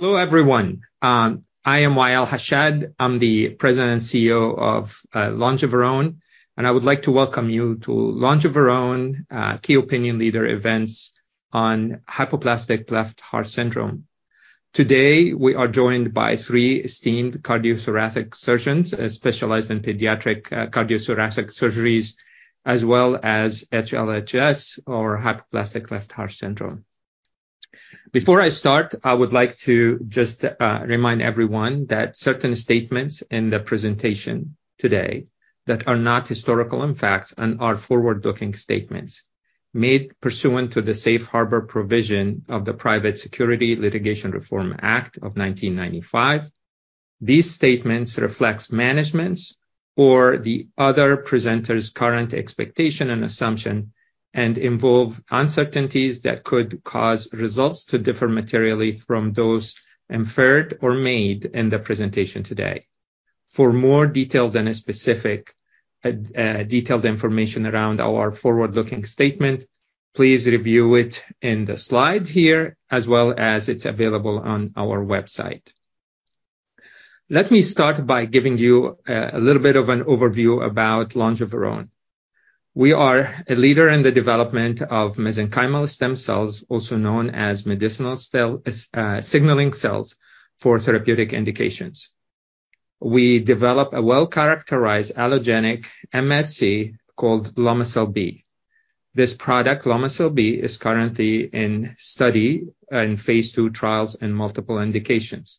Hello everyone. I am Wa'el Hashad. I'm the President and CEO of Longeveron, and I would like to welcome you to Longeveron Key Opinion Leader events on hypoplastic left heart syndrome. Today, we are joined by three esteemed cardiothoracic surgeons, specialized in pediatric cardiothoracic surgeries, as well as HLHS or hypoplastic left heart syndrome. Before I start, I would like to just remind everyone that certain statements in the presentation today that are not historical in fact and are forward-looking statements made pursuant to the Safe Harbor provision of the Private Securities Litigation Reform Act of 1995. These statements reflects management's or the other presenters' current expectation and assumption, and involve uncertainties that could cause results to differ materially from those inferred or made in the presentation today. For more detailed and specific, detailed information around our forward-looking statement, please review it in the slide here, as well as it's available on our website. Let me start by giving you a little bit of an overview about Longeveron. We are a leader in the development of mesenchymal stem cells, also known as medicinal signaling cells for therapeutic indications. We develop a well-characterized allogeneic MSC called Lomecel-B. This product, Lomecel-B, is currently in study in Phase 2 trials in multiple indications.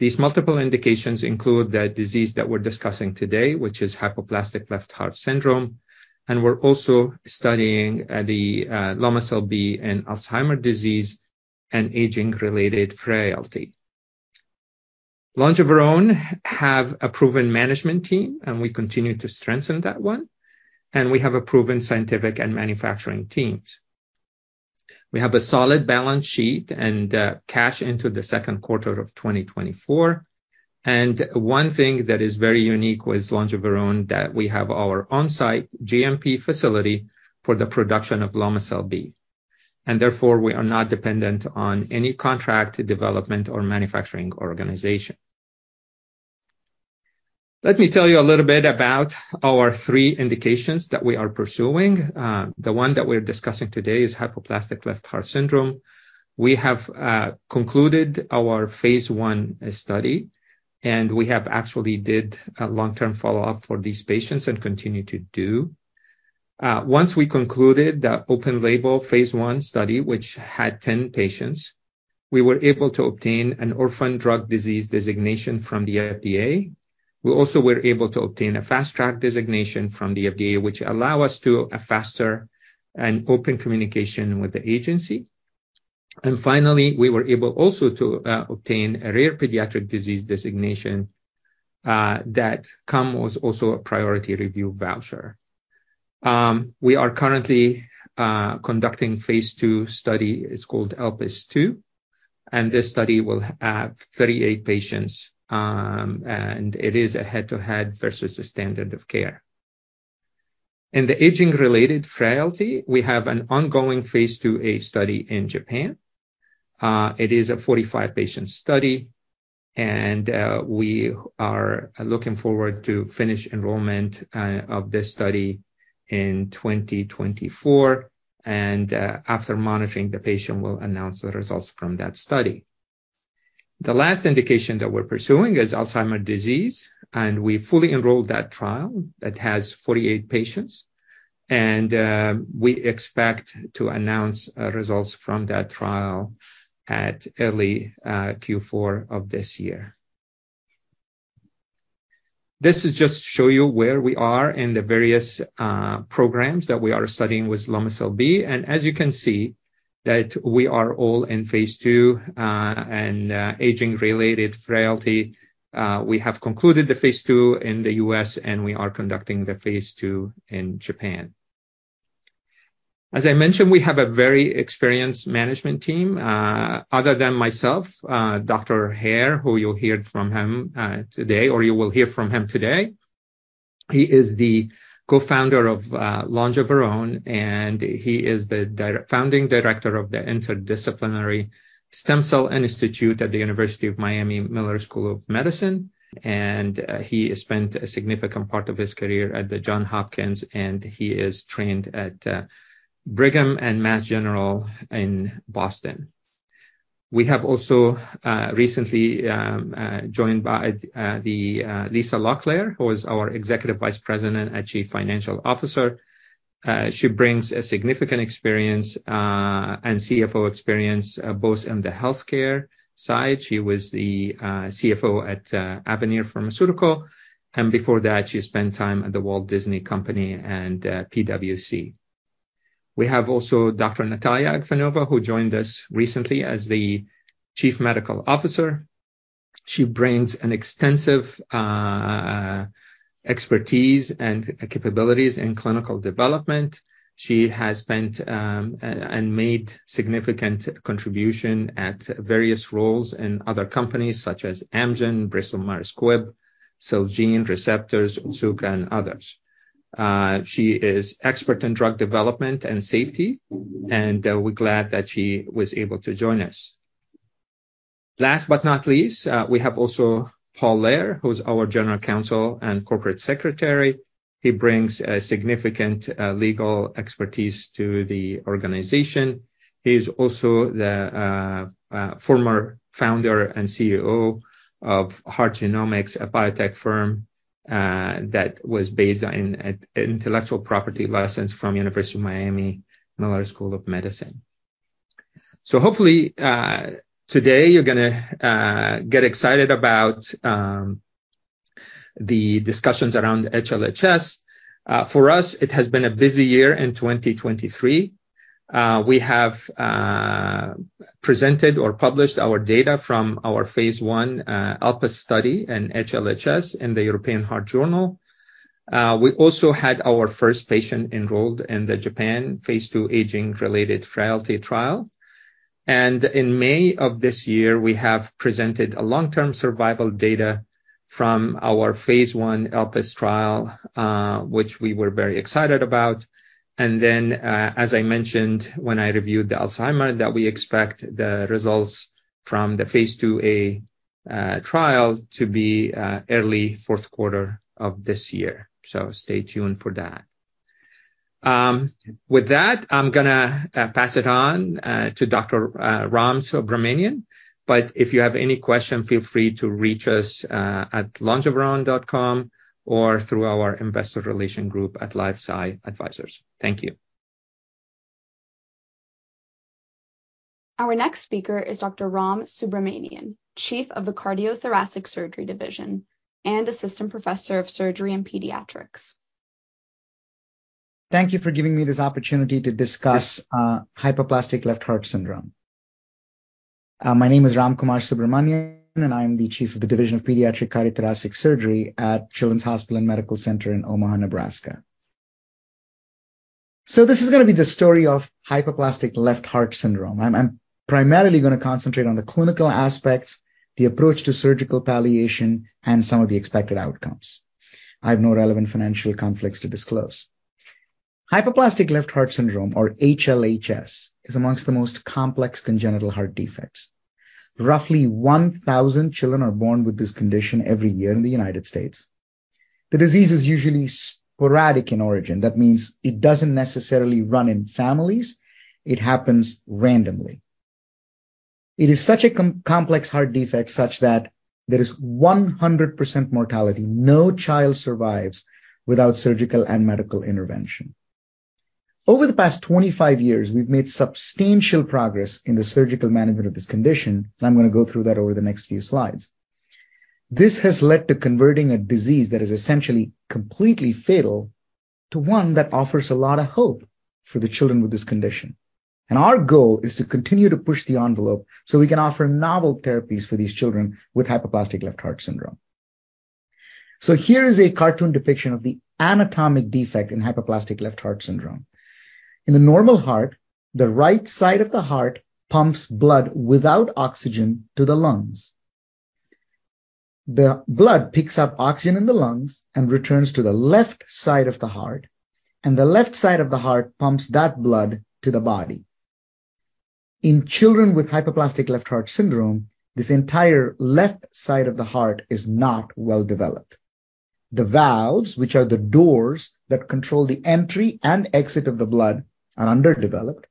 These multiple indications include the disease that we're discussing today, which is hypoplastic left heart syndrome, and we're also studying the Lomecel-B in Alzheimer's disease and aging-related frailty. Longeveron have a proven management team, and we continue to strengthen that one, and we have a proven scientific and manufacturing teams. We have a solid balance sheet and cash into the second quarter of 2024. One thing that is very unique with Longeveron, that we have our on-site GMP facility for the production of Lomecel-B, and therefore, we are not dependent on any contract development or manufacturing organization. Let me tell you a little bit about our three indications that we are pursuing. The one that we're discussing today is hypoplastic left heart syndrome. We have concluded our phase one study, and we have actually did a long-term follow-up for these patients and continue to do. Once we concluded the open-label phase one study, which had 10 patients, we were able to obtain an Orphan Drug Designation from the FDA. We also were able to obtain a Fast Track designation from the FDA, which allow us to a faster and open communication with the agency. Finally, we were able also to obtain a Rare Pediatric Disease Designation that come with also a Priority Review Voucher. We are currently conducting phase 2 study, it's called ELPIS II, and this study will have 38 patients, and it is a head-to-head versus a standard of care. In the aging-related frailty, we have an ongoing phase 2A study in Japan. It is a 45-patient study, and we are looking forward to finish enrollment of this study in 2024, and after monitoring the patient, we'll announce the results from that study. The last indication that we're pursuing is Alzheimer's disease. We fully enrolled that trial. That has 48 patients, and we expect to announce results from that trial at early Q4 of this year. This is just to show you where we are in the various programs that we are studying with Lomecel-B. As you can see, that we are all in phase 2, and aging-related frailty. We have concluded the phase 2 in the US, and we are conducting the phase 2 in Japan. As I mentioned, we have a very experienced management team. Other than myself, Dr. Hare, who you'll hear from him today, or you will hear from him today. He is the co-founder of Longeveron, and he is the founding director of the Interdisciplinary Stem Cell Institute at the University of Miami Miller School of Medicine, and he spent a significant part of his career at Johns Hopkins, and he is trained at Brigham and Mass General in Boston. We have also recently joined by Lisa Locklear, who is our Executive Vice President and Chief Financial Officer. She brings a significant experience and CFO experience both in the healthcare side. She was the CFO at Avanir Pharmaceuticals, and before that, she spent time at The Walt Disney Company and PwC. We have also Dr. Nataliya Agafonova, who joined us recently as the Chief Medical Officer. She brings an extensive expertise and capabilities in clinical development. She has spent and made significant contribution at various roles in other companies such as Amgen, Bristol Myers Squibb, Celgene, Receptos, Juno, and others. She is expert in drug development and safety, and we're glad that she was able to join us. Last but not least, we have also Paul Lehr, who's our General Counsel and Corporate Secretary. He brings a significant legal expertise to the organization. He's also the former founder and CEO of Heart Genomics, a biotech firm that was based on an intellectual property license from University of Miami Miller School of Medicine. Hopefully, today you're gonna get excited about the discussions around HLHS. For us, it has been a busy year in 2023. We have presented or published our data from our phase 1 ELPIS study in HLHS in the European Heart Journal. We also had our first patient enrolled in the Japan Phase 2 aging-related frailty trial. In May of this year, we have presented a long-term survival data from our phase 1 ELPIS trial, which we were very excited about. As I mentioned when I reviewed the Alzheimer, that we expect the results from the Phase 2A trial to be early fourth quarter of this year. Stay tuned for that. With that, I'm gonna pass it on to Dr. Ram Subramanyan, but if you have any question, feel free to reach us at longeveron.com or through our investor relation group at LifeSci Advisors. Thank you. Our next speaker is Dr. Ram Subramanyan, Chief of the Cardiothoracic Surgery Division and Assistant Professor of Surgery and Pediatrics. Thank you for giving me this opportunity to discuss hypoplastic left heart syndrome. My name is Ram Kumar Subramanyan, and I am the Chief, Division of Pediatric Cardiothoracic Surgery at Children's Hospital & Medical Center in Omaha, Nebraska. This is gonna be the story of hypoplastic left heart syndrome. I'm primarily gonna concentrate on the clinical aspects, the approach to surgical palliation, and some of the expected outcomes. I have no relevant financial conflicts to disclose. hypoplastic left heart syndrome, or HLHS, is amongst the most complex congenital heart defects. Roughly 1,000 children are born with this condition every year in the United States. The disease is usually sporadic in origin. That means it doesn't necessarily run in families. It happens randomly. It is such a complex heart defect, such that there is 100% mortality. No child survives without surgical and medical intervention. Over the past 25 years, we've made substantial progress in the surgical management of this condition, I'm gonna go through that over the next few slides. This has led to converting a disease that is essentially completely fatal to one that offers a lot of hope for the children with this condition. Our goal is to continue to push the envelope so we can offer novel therapies for these children with hypoplastic left heart syndrome. Here is a cartoon depiction of the anatomic defect in hypoplastic left heart syndrome. In the normal heart, the right side of the heart pumps blood without oxygen to the lungs. The blood picks up oxygen in the lungs and returns to the left side of the heart, and the left side of the heart pumps that blood to the body. In children with hypoplastic left heart syndrome, this entire left side of the heart is not well developed. The valves, which are the doors that control the entry and exit of the blood, are underdeveloped.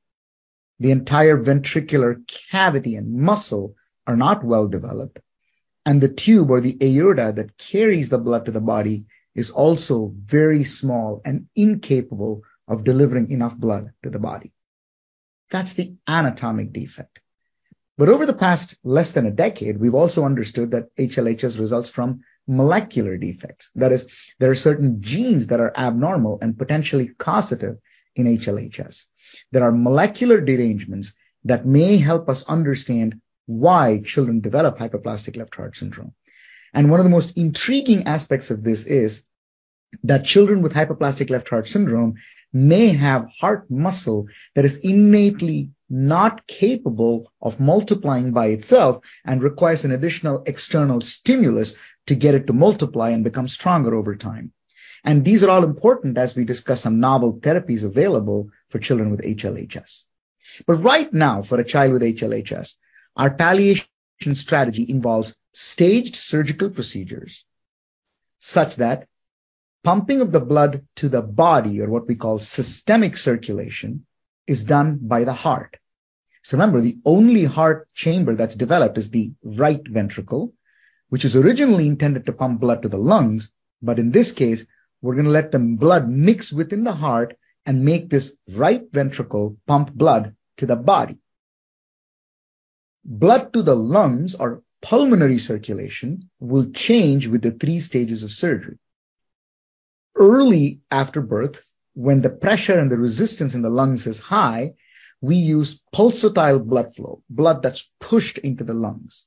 The entire ventricular cavity and muscle are not well developed, the tube, or the aorta, that carries the blood to the body is also very small and incapable of delivering enough blood to the body. That's the anatomic defect. Over the past less than a decade, we've also understood that HLHS results from molecular defects. That is, there are certain genes that are abnormal and potentially causative in HLHS. There are molecular derangements that may help us understand why children develop hypoplastic left heart syndrome. One of the most intriguing aspects of this is that children with hypoplastic left heart syndrome may have heart muscle that is innately not capable of multiplying by itself and requires an additional external stimulus to get it to multiply and become stronger over time. These are all important as we discuss some novel therapies available for children with HLHS. Right now, for a child with HLHS, our palliation strategy involves staged surgical procedures such that pumping of the blood to the body, or what we call systemic circulation, is done by the heart. Remember, the only heart chamber that's developed is the right ventricle, which is originally intended to pump blood to the lungs, but in this case, we're gonna let the blood mix within the heart and make this right ventricle pump blood to the body. Blood to the lungs, or pulmonary circulation, will change with the three stages of surgery. Early after birth, when the pressure and the resistance in the lungs is high, we use pulsatile blood flow, blood that's pushed into the lungs.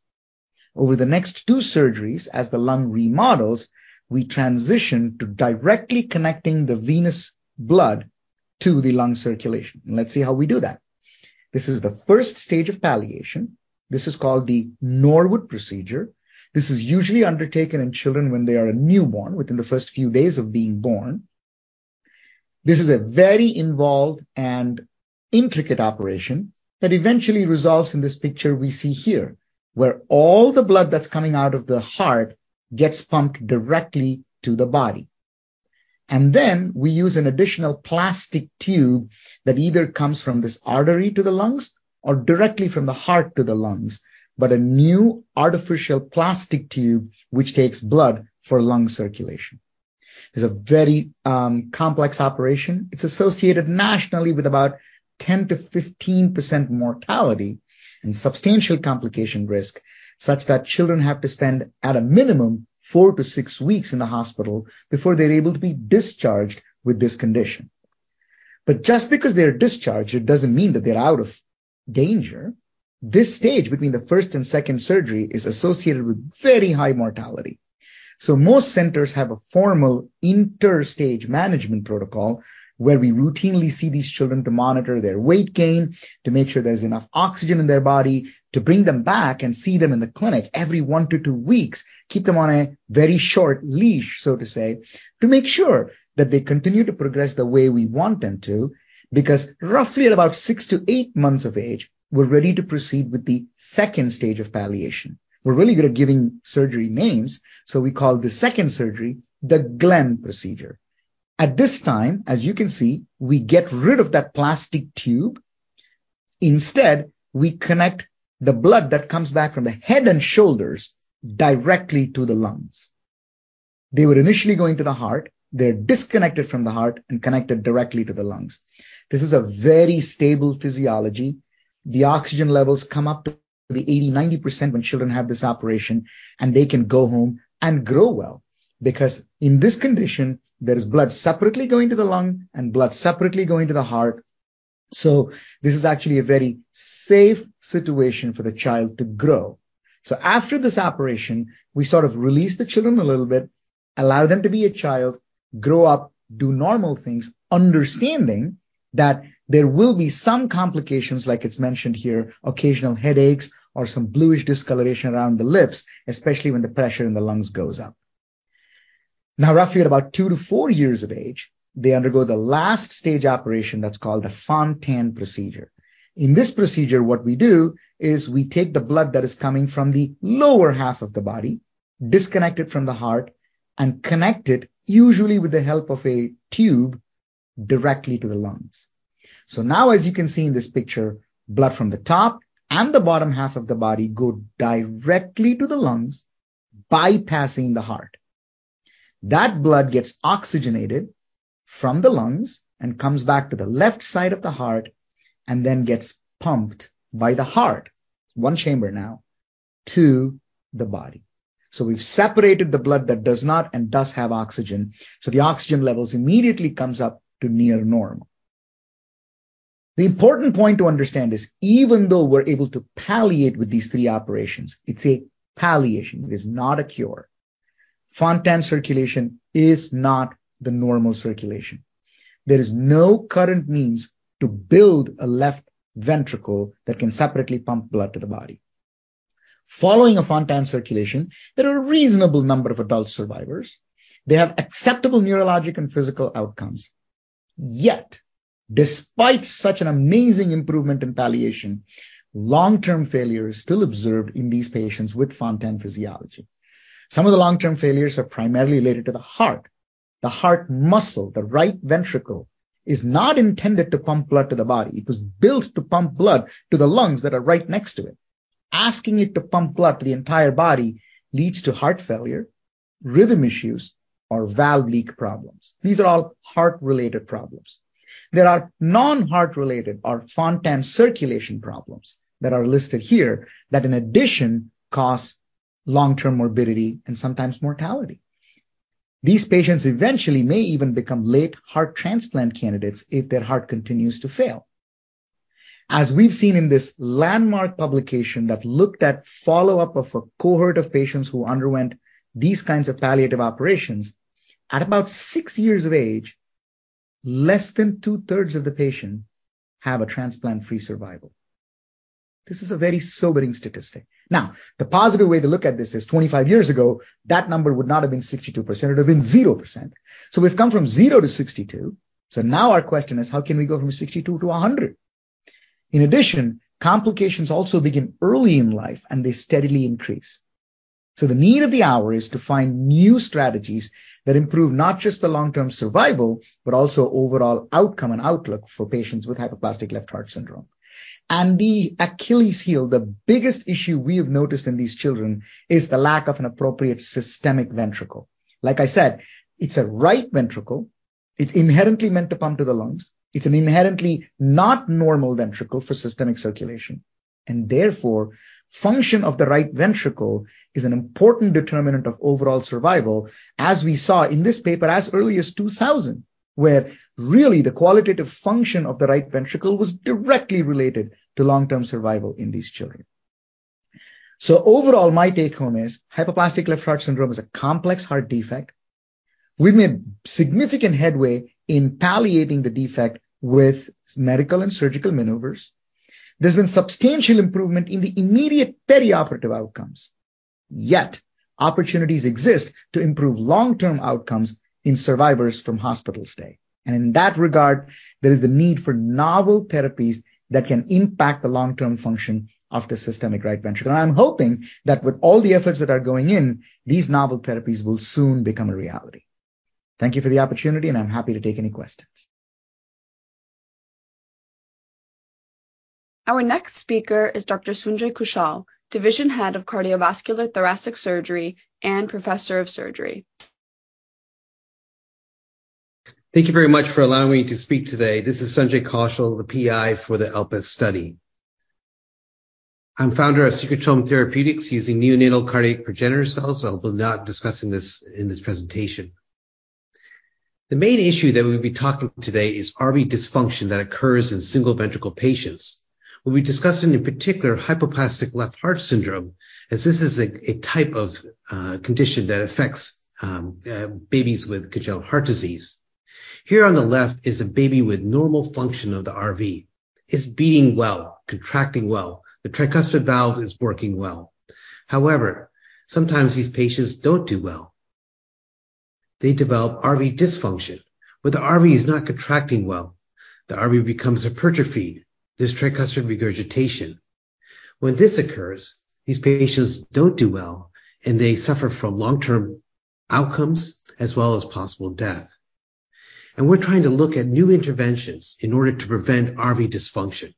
Over the next two surgeries, as the lung remodels, we transition to directly connecting the venous blood to the lung circulation, and let's see how we do that. This is the first stage of palliation. This is called the Norwood procedure. This is usually undertaken in children when they are a newborn, within the first few days of being born. This is a very involved and intricate operation that eventually results in this picture we see here, where all the blood that's coming out of the heart gets pumped directly to the body. We use an additional plastic tube that either comes from this artery to the lungs or directly from the heart to the lungs, but a new artificial plastic tube, which takes blood for lung circulation. It's a very complex operation. It's associated nationally with about 10-15% mortality and substantial complication risk, such that children have to spend, at a minimum, 4-6 weeks in the hospital before they're able to be discharged with this condition. Just because they are discharged, it doesn't mean that they're out of danger. This stage between the first and second surgery is associated with very high mortality. Most centers have a formal interstage management protocol, where we routinely see these children to monitor their weight gain, to make sure there's enough oxygen in their body, to bring them back and see them in the clinic every one to two weeks, keep them on a very short leash, so to say, to make sure that they continue to progress the way we want them to, because roughly at about six to eight months of age, we're ready to proceed with the second stage of palliation. We're really good at giving surgery names, so we call the second surgery the Glenn procedure. At this time, as you can see, we get rid of that plastic tube. Instead, we connect the blood that comes back from the head and shoulders directly to the lungs. They were initially going to the heart. They're disconnected from the heart and connected directly to the lungs. This is a very stable physiology. The oxygen levels come up to the 80%, 90% when children have this operation, and they can go home and grow well, because in this condition, there is blood separately going to the lung and blood separately going to the heart. This is actually a very safe situation for the child to grow. After this operation, we sort of release the children a little bit, allow them to be a child, grow up, do normal things, understanding that there will be some complications, like it's mentioned here, occasional headaches or some bluish discoloration around the lips, especially when the pressure in the lungs goes up. Roughly at about 2-4 years of age, they undergo the last stage operation that's called the Fontan procedure. In this procedure, what we do is we take the blood that is coming from the lower half of the body, disconnect it from the heart, and connect it, usually with the help of a tube, directly to the lungs. Now, as you can see in this picture, blood from the top and the bottom half of the body go directly to the lungs, bypassing the heart. That blood gets oxygenated from the lungs and comes back to the left side of the heart and then gets pumped by the heart, one chamber now, to the body. We've separated the blood that does not and does have oxygen, so the oxygen levels immediately comes up to near normal. The important point to understand is, even though we're able to palliate with these three operations, it's a palliation, it is not a cure. Fontan circulation is not the normal circulation. There is no current means to build a left ventricle that can separately pump blood to the body. Following a Fontan circulation, there are a reasonable number of adult survivors. They have acceptable neurologic and physical outcomes. Yet, despite such an amazing improvement in palliation, long-term failure is still observed in these patients with Fontan physiology. Some of the long-term failures are primarily related to the heart. The heart muscle, the right ventricle, is not intended to pump blood to the body. It was built to pump blood to the lungs that are right next to it. Asking it to pump blood to the entire body leads to heart failure, rhythm issues, or valve leak problems. These are all heart-related problems. There are non-heart related or Fontan circulation problems that are listed here that in addition, cause long-term morbidity and sometimes mortality. These patients eventually may even become late heart transplant candidates if their heart continues to fail. As we've seen in this landmark publication that looked at follow-up of a cohort of patients who underwent these kinds of palliative operations, at about six years of age, less than two-thirds of the patient have a transplant-free survival. This is a very sobering statistic. Now, the positive way to look at this is 25 years ago, that number would not have been 62%. It would have been 0%. So we've come from 0 to 62. So now our question is: how can we go from 62 to 100? In addition, complications also begin early in life, and they steadily increase. The need of the hour is to find new strategies that improve not just the long-term survival, but also overall outcome and outlook for patients with hypoplastic left heart syndrome. The Achilles heel, the biggest issue we have noticed in these children, is the lack of an appropriate systemic ventricle. Like I said, it's a right ventricle. It's inherently meant to pump to the lungs. It's an inherently not normal ventricle for systemic circulation, and therefore, function of the right ventricle is an important determinant of overall survival, as we saw in this paper as early as 2000, where really the qualitative function of the right ventricle was directly related to long-term survival in these children. Overall, my take-home is hypoplastic left heart syndrome is a complex heart defect. We've made significant headway in palliating the defect with medical and surgical maneuvers. There's been substantial improvement in the immediate perioperative outcomes. Yet, opportunities exist to improve long-term outcomes in survivors from hospital stay. In that regard, there is the need for novel therapies that can impact the long-term function of the systemic right ventricle. I'm hoping that with all the efforts that are going in, these novel therapies will soon become a reality. Thank you for the opportunity, and I'm happy to take any questions. Our next speaker is Dr. Sunjay Kaushal, Division Head of Cardiovascular-Thoracic Surgery and Professor of Surgery. Thank you very much for allowing me to speak today. This is Sunjay Kaushal, the PI for the ELPIS study. I'm founder of Secretome Therapeutics using neonatal cardiac progenitor cells, although I'm not discussing this in this presentation. The main issue that we'll be talking today is RV dysfunction that occurs in single ventricle patients. We'll be discussing, in particular, hypoplastic left heart syndrome, as this is a type of condition that affects babies with congenital heart disease. Here on the left is a baby with normal function of the RV. It's beating well, contracting well. The tricuspid valve is working well. However, sometimes these patients don't do well. They develop RV dysfunction, where the RV is not contracting well. The RV becomes hypertrophied. There's tricuspid regurgitation. When this occurs, these patients don't do well, and they suffer from long-term outcomes as well as possible death. We're trying to look at new interventions in order to prevent RV dysfunction.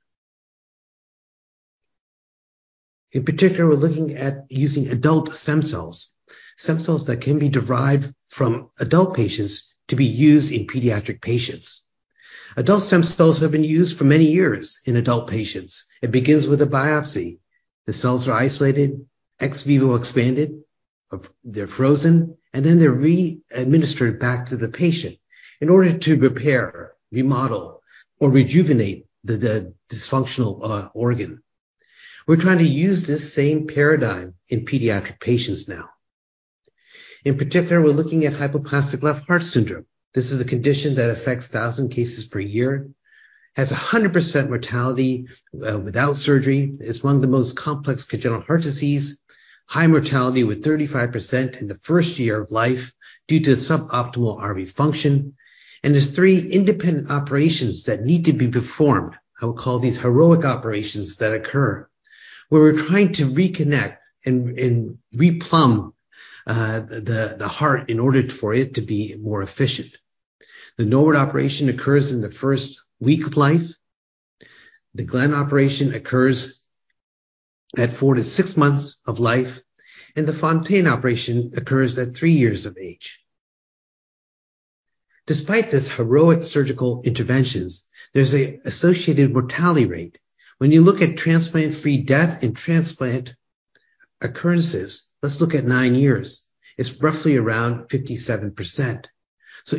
In particular, we're looking at using adult stem cells, stem cells that can be derived from adult patients to be used in pediatric patients. Adult stem cells have been used for many years in adult patients. It begins with a biopsy. The cells are isolated, ex vivo expanded, they're frozen, and then they're re-administered back to the patient in order to repair, remodel, or rejuvenate the, the dysfunctional organ. We're trying to use this same paradigm in pediatric patients now. In particular, we're looking at hypoplastic left heart syndrome. This is a condition that affects 1,000 cases per year, has 100% mortality without surgery. It's one of the most complex congenital heart disease, high mortality with 35% in the first year of life due to suboptimal RV function. There's three independent operations that need to be performed. I would call these heroic operations that occur, where we're trying to reconnect and, and replumb, the heart in order for it to be more efficient. The Norwood operation occurs in the first week of life, the Glenn operation occurs at four to six months of life, and the Fontan operation occurs at three years of age. Despite this heroic surgical interventions, there's a associated mortality rate. When you look at transplant-free death and transplant occurrences, let's look at nine years. It's roughly around 57%.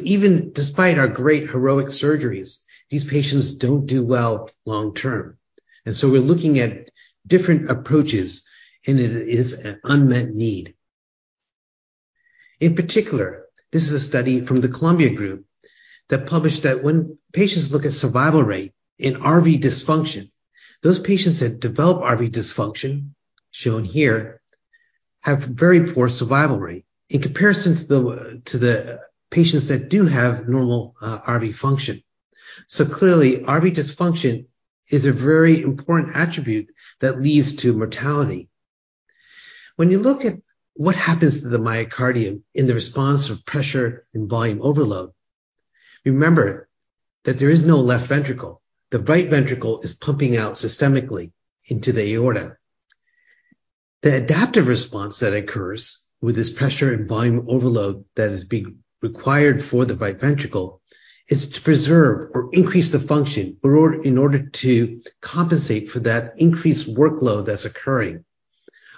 Even despite our great heroic surgeries, these patients don't do well long term, and so we're looking at different approaches, and it is an unmet need. In particular, this is a study from the Columbia group that published that when patients look at survival rate in RV dysfunction, those patients that develop RV dysfunction, shown here, have very poor survival rate in comparison to the to the patients that do have normal RV function. Clearly, RV dysfunction is a very important attribute that leads to mortality. When you look at what happens to the myocardium in the response of pressure and volume overload, remember that there is no left ventricle. The right ventricle is pumping out systemically into the aorta. The adaptive response that occurs with this pressure and volume overload that is being required for the right ventricle is to preserve or increase the function in order, in order to compensate for that increased workload that's occurring.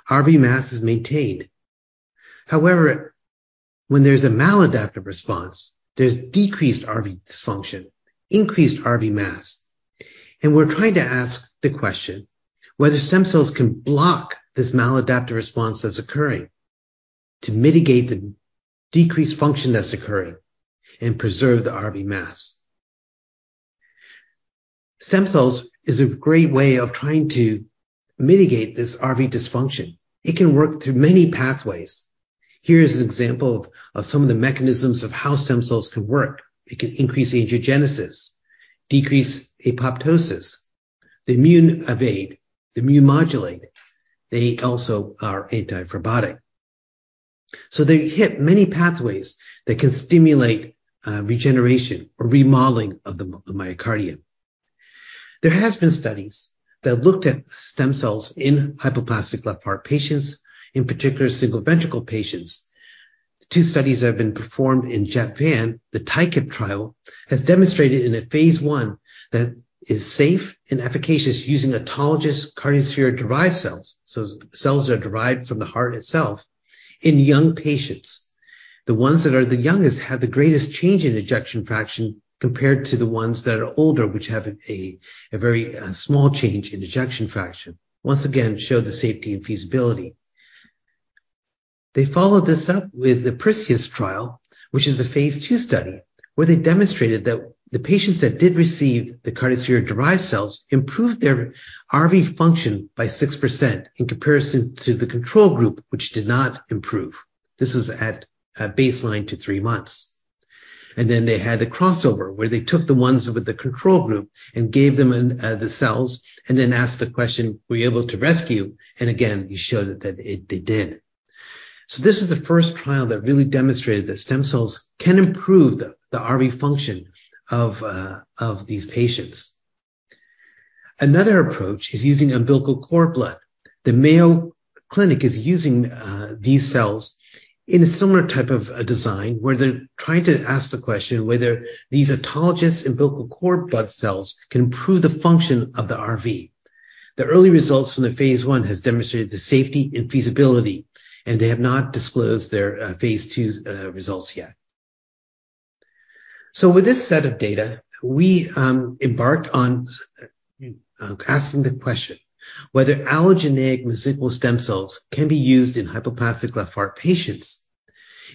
RV mass is maintained. However, when there's a maladaptive response, there's decreased RV dysfunction, increased RV mass, and we're trying to ask the question whether stem cells can block this maladaptive response that's occurring to mitigate the decreased function that's occurring and preserve the RV mass. Stem cells is a great way of trying to mitigate this RV dysfunction. It can work through many pathways. Here is an example of some of the mechanisms of how stem cells could work. It can increase angiogenesis, decrease apoptosis, they immune evade, they immune modulate. They also are anti-fibrotic. They hit many pathways that can stimulate regeneration or remodeling of the myocardium. There has been studies that looked at stem cells in hypoplastic left heart patients, in particular, single ventricle patients. Two studies have been performed in Japan. The TICAP trial has demonstrated in a phase I that it's safe and efficacious using autologous cardiosphere-derived cells, so cells that are derived from the heart itself, in young patients. The ones that are the youngest had the greatest change in ejection fraction compared to the ones that are older, which have a very small change in ejection fraction. Once again, showed the safety and feasibility. They followed this up with the PERSEUS trial, which is a phase 2 study, where they demonstrated that the patients that did receive the cardiosphere-derived cells improved their RV function by 6% in comparison to the control group, which did not improve. This was at baseline to 3 months. They had a crossover, where they took the ones with the control group and gave them the cells, and then asked the question: Were you able to rescue? Again, you showed that they did. This is the 1st trial that really demonstrated that stem cells can improve the RV function of these patients. Another approach is using umbilical cord blood. The Mayo Clinic is using these cells in a similar type of design, where they're trying to ask the question whether these autologous umbilical cord blood cells can improve the function of the RV. The early results from the phase 1 has demonstrated the safety and feasibility, and they have not disclosed their phase 2's results yet. With this set of data, we embarked on asking the question whether allogeneic mesenchymal stem cells can be used in hypoplastic left heart patients,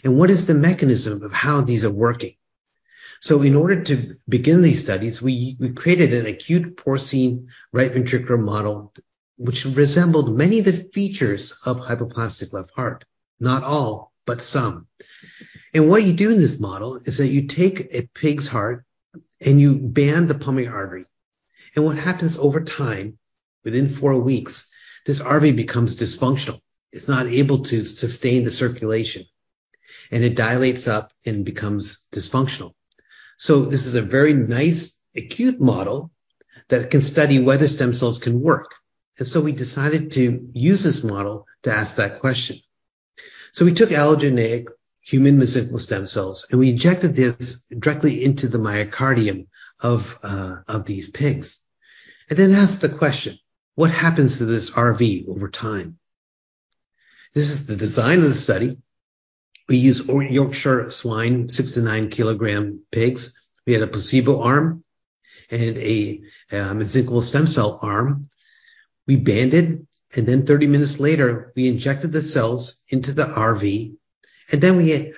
and what is the mechanism of how these are working? In order to begin these studies, we created an acute porcine right ventricular model, which resembled many of the features of hypoplastic left heart, not all, but some. What you do in this model is that you take a pig's heart, and you band the pulmonary artery. What happens over time, within 4 weeks, this RV becomes dysfunctional. It's not able to sustain the circulation, and it dilates up and becomes dysfunctional. This is a very nice acute model that can study whether stem cells can work. We decided to use this model to ask that question. We took allogeneic human mesenchymal stem cells, and we injected this directly into the myocardium of these pigs, and then asked the question: What happens to this RV over time? This is the design of the study. We use Yorkshire swine, 6-9 kilogram pigs. We had a placebo arm and a mesenchymal stem cell arm. We banded, and then 30 minutes later, we injected the cells into the RV, and then we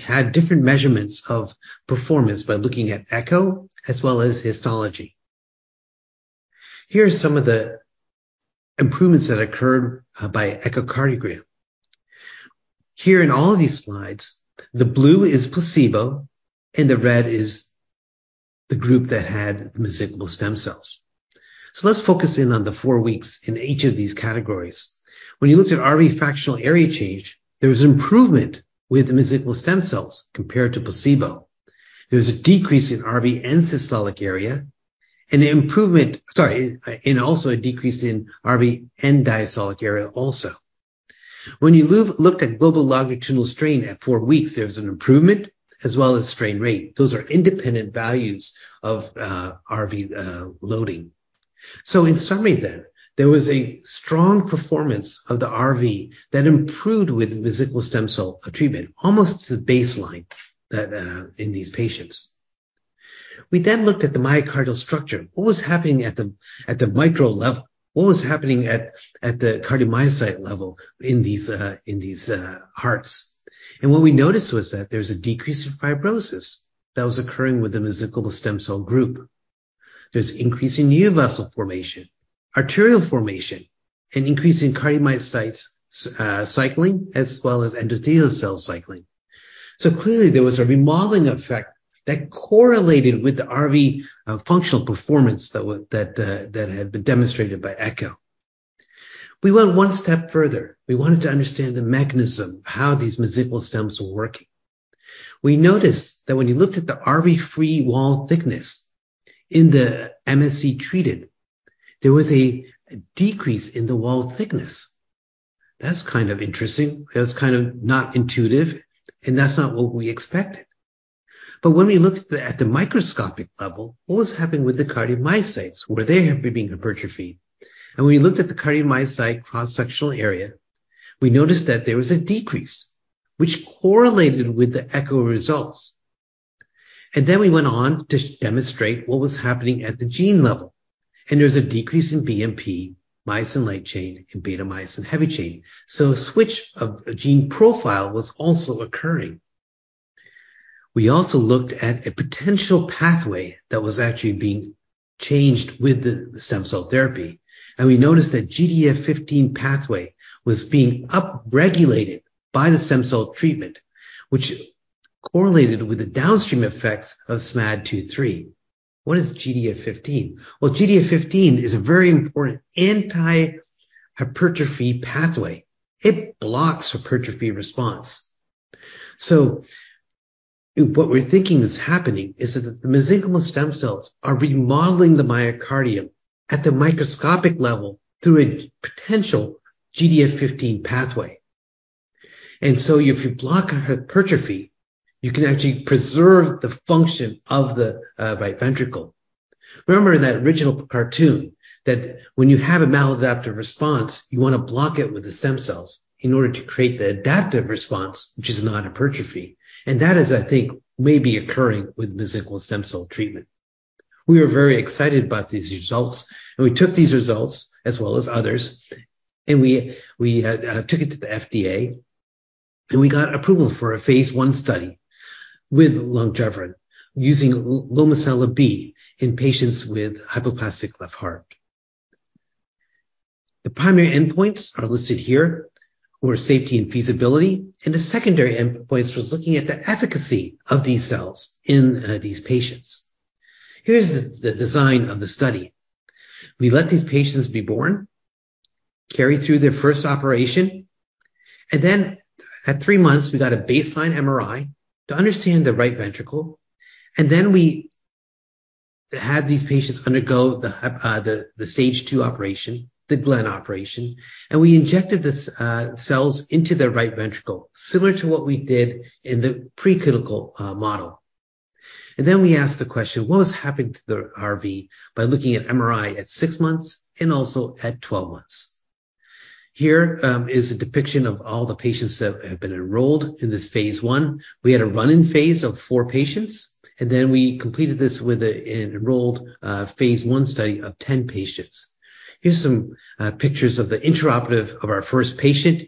had different measurements of performance by looking at echo as well as histology. Here are some of the improvements that occurred by echocardiogram. Here in all of these slides, the blue is placebo, and the red is the group that had mesenchymal stem cells. Let's focus in on the 4 weeks in each of these categories. When you looked at RV fractional area change, there was improvement with mesenchymal stem cells compared to placebo. There was a decrease in RV end-systolic area, and an improvement, and also a decrease in RV end-diastolic area also. When you look at global longitudinal strain at four weeks, there was an improvement as well as strain rate. Those are independent values of RV loading. In summary then, there was a strong performance of the RV that improved with mesenchymal stem cell treatment, almost to the baseline that in these patients. We then looked at the myocardial structure. What was happening at the, at the micro level? What was happening at, at the cardiomyocyte level in these, in these, hearts? What we noticed was that there was a decrease of fibrosis that was occurring with the mesenchymal stem cell group. There's increasing neovascular formation, arterial formation, and increase in cardiomyocytes cy- cycling, as well as endothelial cell cycling. Clearly, there was a remodeling effect that correlated with the RV functional performance that that had been demonstrated by echo. We went one step further. We wanted to understand the mechanism, how these mesenchymal stems were working. We noticed that when you looked at the RV free wall thickness in the MSC treated, there was a decrease in the wall thickness. That's kind of interesting. That's kind of not intuitive, and that's not what we expected. When we looked at the, at the microscopic level, what was happening with the cardiomyocytes? Were they being hypertrophy? We looked at the cardiomyocyte cross-sectional area, we noticed that there was a decrease, which correlated with the echo results. We went on to demonstrate what was happening at the gene level, and there was a decrease in BMP, myosin light chain, and beta-myosin heavy chain. A switch of a gene profile was also occurring. We also looked at a potential pathway that was actually being changed with the stem cell therapy, and we noticed that GDF15 pathway was being upregulated by the stem cell treatment, which correlated with the downstream effects of SMAD2/3. What is GDF15? Well, GDF15 is a very important anti-hypertrophy pathway. It blocks hypertrophy response. What we're thinking is happening is that the mesenchymal stem cells are remodeling the myocardium at the microscopic level through a potential GDF15 pathway. If you block hypertrophy, you can actually preserve the function of the right ventricle. Remember in that original cartoon, that when you have a maladaptive response, you want to block it with the stem cells in order to create the adaptive response, which is not hypertrophy. That is, I think, may be occurring with mesenchymal stem cell treatment. We were very excited about these results, and we took these results, as well as others, we took it to the FDA, and we got approval for a phase 1 study with Longeveron, using Lomecel-B in patients with hypoplastic left heart syndrome. The primary endpoints are listed here, were safety and feasibility, and the secondary endpoints was looking at the efficacy of these cells in these patients. Here's the design of the study. We let these patients be born, carry through their first operation, and then at 3 months, we got a baseline MRI to understand the right ventricle, and then we had these patients undergo the stage 2 operation, the Glenn procedure, and we injected this cells into their right ventricle, similar to what we did in the preclinical model. We asked the question, "What was happening to the RV?" by looking at MRI at 6 months and also at 12 months. Here is a depiction of all the patients that have been enrolled in this phase 1. We had a run-in phase of 4 patients, and then we completed this with an enrolled phase 1 study of 10 patients. Here's some pictures of the intraoperative of our first patient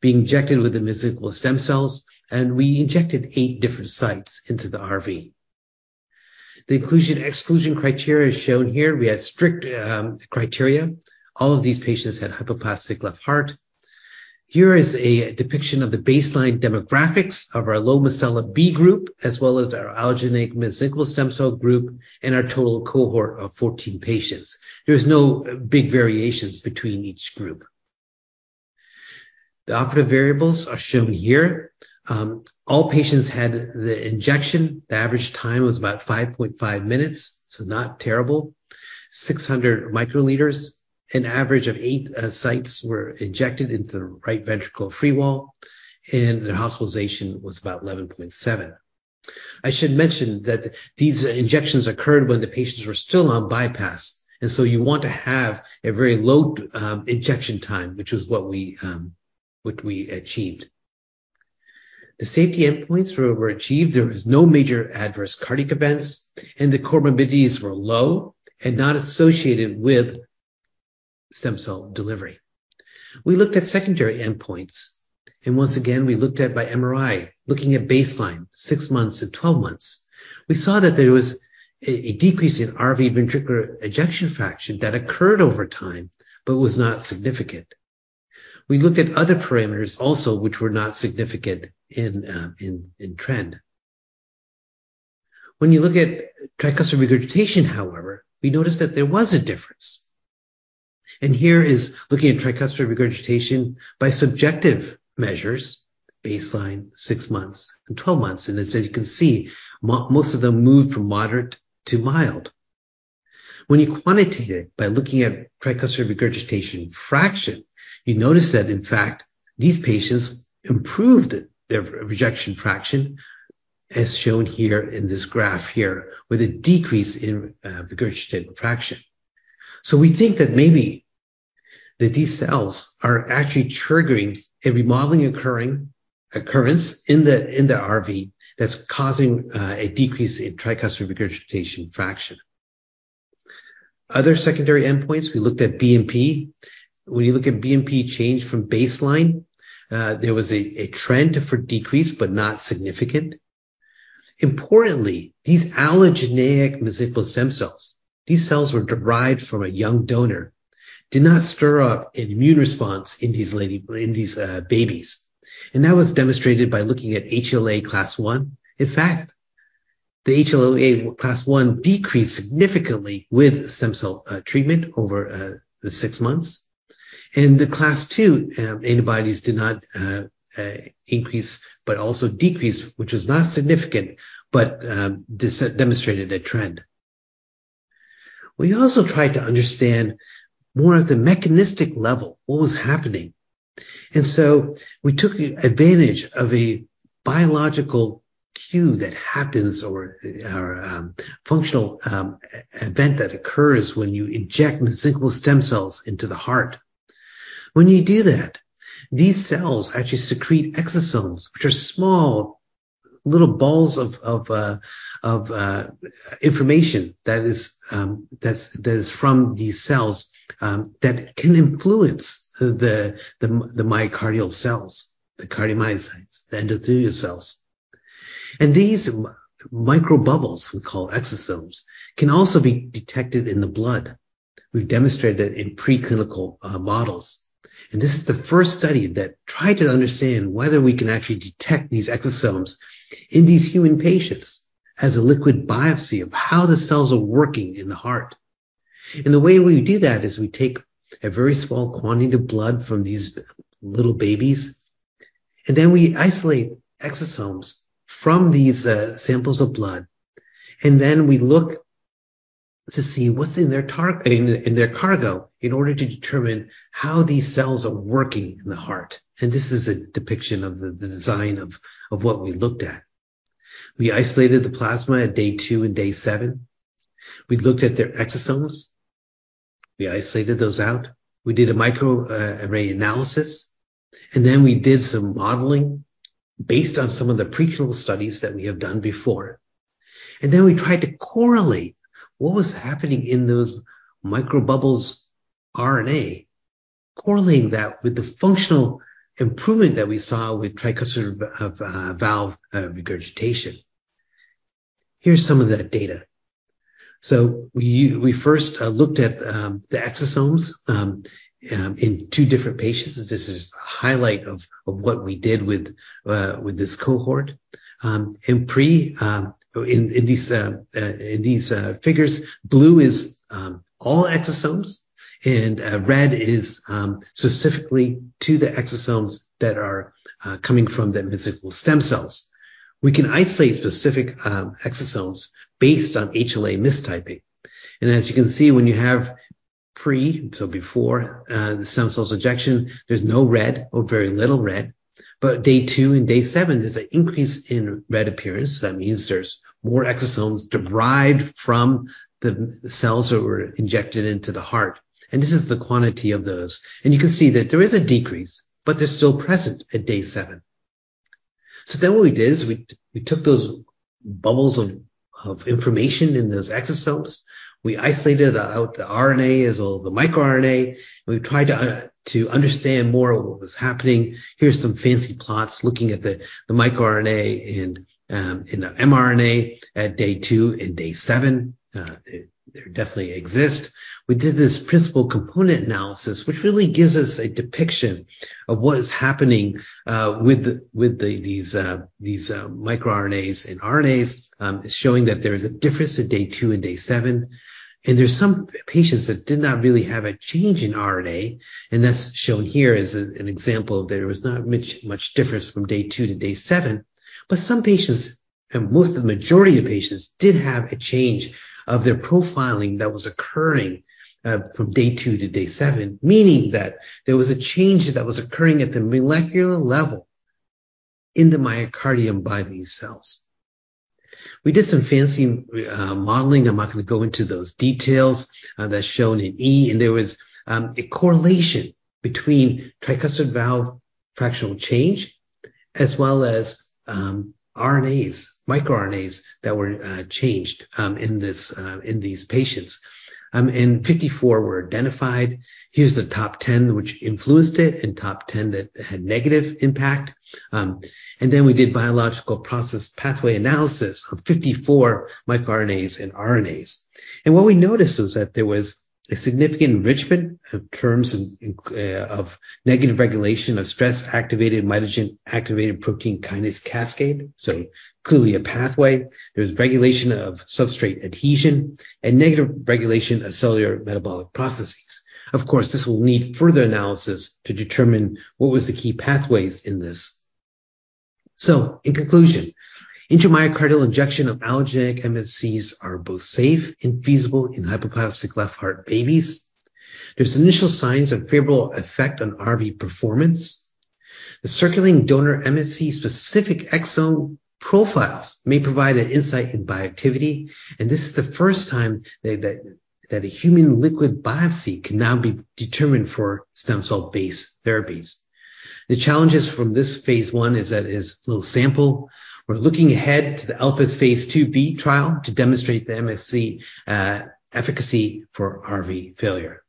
being injected with the mesenchymal stem cells, and we injected eight different sites into the RV. The inclusion/exclusion criteria is shown here. We had strict criteria. All of these patients had hypoplastic left heart. Here is a depiction of the baseline demographics of our Lomecel-B group, as well as our allogeneic mesenchymal stem cell group and our total cohort of 14 patients. There's no big variations between each group. The operative variables are shown here. All patients had the injection. The average time was about 5.5 minutes, so not terrible. 600 microliters, an average of eight sites were injected into the right ventricular free wall, and the hospitalization was about 11.7. I should mention that these injections occurred when the patients were still on bypass. So you want to have a very low injection time, which was what we achieved. The safety endpoints were achieved. There was no major adverse cardiac events. The comorbidities were low and not associated with stem cell delivery. We looked at secondary endpoints. Once again, we looked at by MRI, looking at baseline, 6 months and 12 months. We saw that there was a decrease in RV ventricular ejection fraction that occurred over time but was not significant. We looked at other parameters also, which were not significant in trend. When you look at tricuspid regurgitation, however, we noticed that there was a difference. Here is looking at tricuspid regurgitation by subjective measures, baseline, 6 months and 12 months. As you can see, most of them moved from moderate to mild. When you quantitate it by looking at tricuspid regurgitation fraction, you notice that, in fact, these patients improved their ejection fraction, as shown here in this graph here, with a decrease in regurgitation fraction. We think that maybe that these cells are actually triggering a remodeling occurrence in the RV that's causing a decrease in tricuspid regurgitation fraction. Other secondary endpoints, we looked at BNP. When you look at BNP change from baseline, there was a trend for decrease, but not significant. Importantly, these allogeneic mesenchymal stem cells, these cells were derived from a young donor, did not stir up an immune response in these babies. That was demonstrated by looking at HLA class I. In fact, the HLA class I decreased significantly with stem cell treatment over the six months. The HLA class II antibodies did not increase, but also decreased, which was not significant, but demonstrated a trend. We also tried to understand more at the mechanistic level, what was happening. So we took a advantage of a biological cue that happens or functional event that occurs when you inject mesenchymal stem cells into the heart. When you do that, these cells actually secrete exosomes, which are small, little balls of information that is, that's, that is from these cells, that can influence the myocardial cells, the cardiomyocytes, the endothelial cells. These microbubbles, we call exosomes, can also be detected in the blood. We've demonstrated it in preclinical models. This is the first study that tried to understand whether we can actually detect these exosomes in these human patients as a liquid biopsy of how the cells are working in the heart. The way we do that is we take a very small quantity of blood from these little babies, and then we isolate exosomes from these samples of blood, and then we look to see what's in their cargo in order to determine how these cells are working in the heart. This is a depiction of the design of what we looked at. We isolated the plasma at day two and day seven. We looked at their exosomes. We isolated those out. We did a microarray analysis, and then we did some modeling based on some of the preclinical studies that we have done before. We tried to correlate what was happening in those microbubbles RNA, correlating that with the functional improvement that we saw with tricuspid valve regurgitation. Here's some of the data. We first looked at the exosomes in two different patients. This is a highlight of what we did with this cohort. In pre, in these figures, blue is all exosomes, and red is specifically to the exosomes that are coming from the mesenchymal stem cells. We can isolate specific exosomes based on HLA mismatch. As you can see, when you have pre, so before the stem cells ejection, there's no red or very little red. Day two and day seven, there's an increase in red appearance. That means there's more exosomes derived from the cells that were injected into the heart. This is the quantity of those. You can see that there is a decrease, but they're still present at day 7. What we did is we took those bubbles of information in those exosomes. We isolated out the RNA as well, the microRNA. We tried to understand more of what was happening. Here's some fancy plots looking at the microRNA and the mRNA at day 2 and day 7. They definitely exist. We did this principal component analysis, which really gives us a depiction of what is happening with these microRNAs and RNAs, showing that there is a difference at day 2 and day 7. There's some patients that did not really have a change in RNA, and that's shown here as an example. There was not much difference from day 2 to day 7. Some patients, and most of the majority of patients, did have a change of their profiling that was occurring from day 2 to day 7, meaning that there was a change that was occurring at the molecular level in the myocardium by these cells. We did some fancy modeling. I'm not gonna go into those details. That's shown in E, and there was a correlation between tricuspid valve fractional change as well as RNAs, microRNAs that were changed in this in these patients. 54 were identified. Here's the top 10 which influenced it and top 10 that had negative impact. We did biological process pathway analysis of 54 microRNAs and RNAs. What we noticed was that there was a significant enrichment of terms in, of negative regulation of stress-activated, mitogen-activated protein kinase cascade, so clearly a pathway. There was regulation of substrate adhesion and negative regulation of cellular metabolic processes. Of course, this will need further analysis to determine what was the key pathways in this. In conclusion, intramyocardial injection of allogeneic MSCs are both safe and feasible in hypoplastic left heart babies. There's initial signs of favorable effect on RV performance. The circulating donor MSC-specific exosome profiles may provide an insight in bioactivity, and this is the first time that a human liquid biopsy can now be determined for stem cell-based therapies. The challenges from this phase 1 is that it's low sample. We're looking ahead to the ELPIS phase 2b trial to demonstrate the MSC efficacy for RV failure.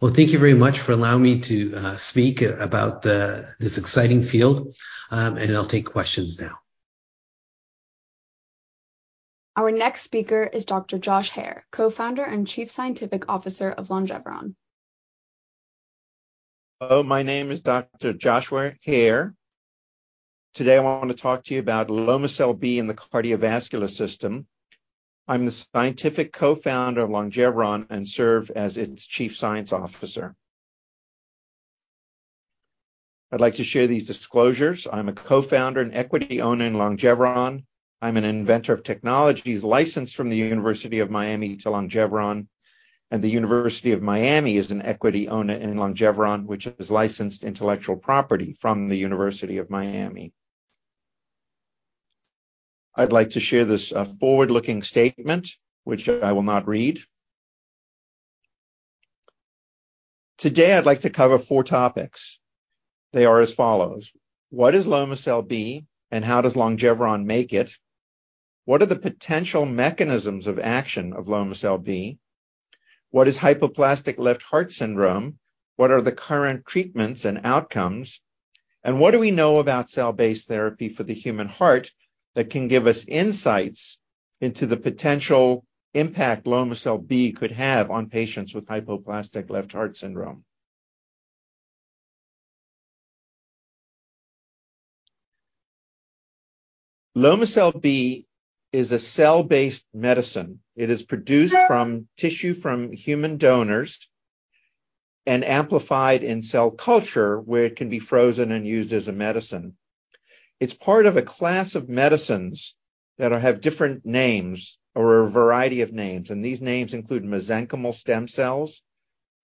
Well, thank you very much for allowing me to speak about this exciting field, and I'll take questions now. Our next speaker is Dr. Joshua Hare, Co-founder and Chief Scientific Officer of Longeveron. Hello, my name is Dr. Joshua Hare. Today, I want to talk to you about Lomecel-B in the cardiovascular system. I'm the scientific co-founder of Longeveron and serve as its Chief Science Officer. I'd like to share these disclosures. I'm a co-founder and equity owner in Longeveron. I'm an inventor of technologies licensed from the University of Miami to Longeveron, and the University of Miami is an equity owner in Longeveron, which has licensed intellectual property from the University of Miami. I'd like to share this forward-looking statement, which I will not read. Today, I'd like to cover four topics. They are as follows: What is Lomecel-B, and how does Longeveron make it? What are the potential mechanisms of action of Lomecel-B? What is hypoplastic left heart syndrome? What are the current treatments and outcomes? What do we know about cell-based therapy for the human heart that can give us insights into the potential impact Lomecel-B could have on patients with hypoplastic left heart syndrome? Lomecel-B is a cell-based medicine. It is produced from tissue from human donors and amplified in cell culture, where it can be frozen and used as a medicine. It's part of a class of medicines that have different names or a variety of names, and these names include mesenchymal stem cells,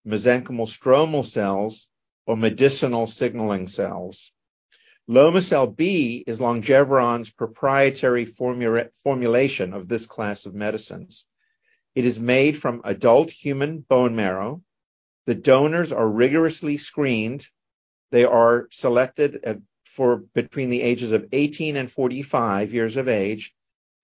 mesenchymal stromal cells, or medicinal signaling cells.... Lomecel-B is Longeveron's proprietary formulation of this class of medicines. It is made from adult human bone marrow. The donors are rigorously screened. They are selected for between the ages of 18 and 45 years of age,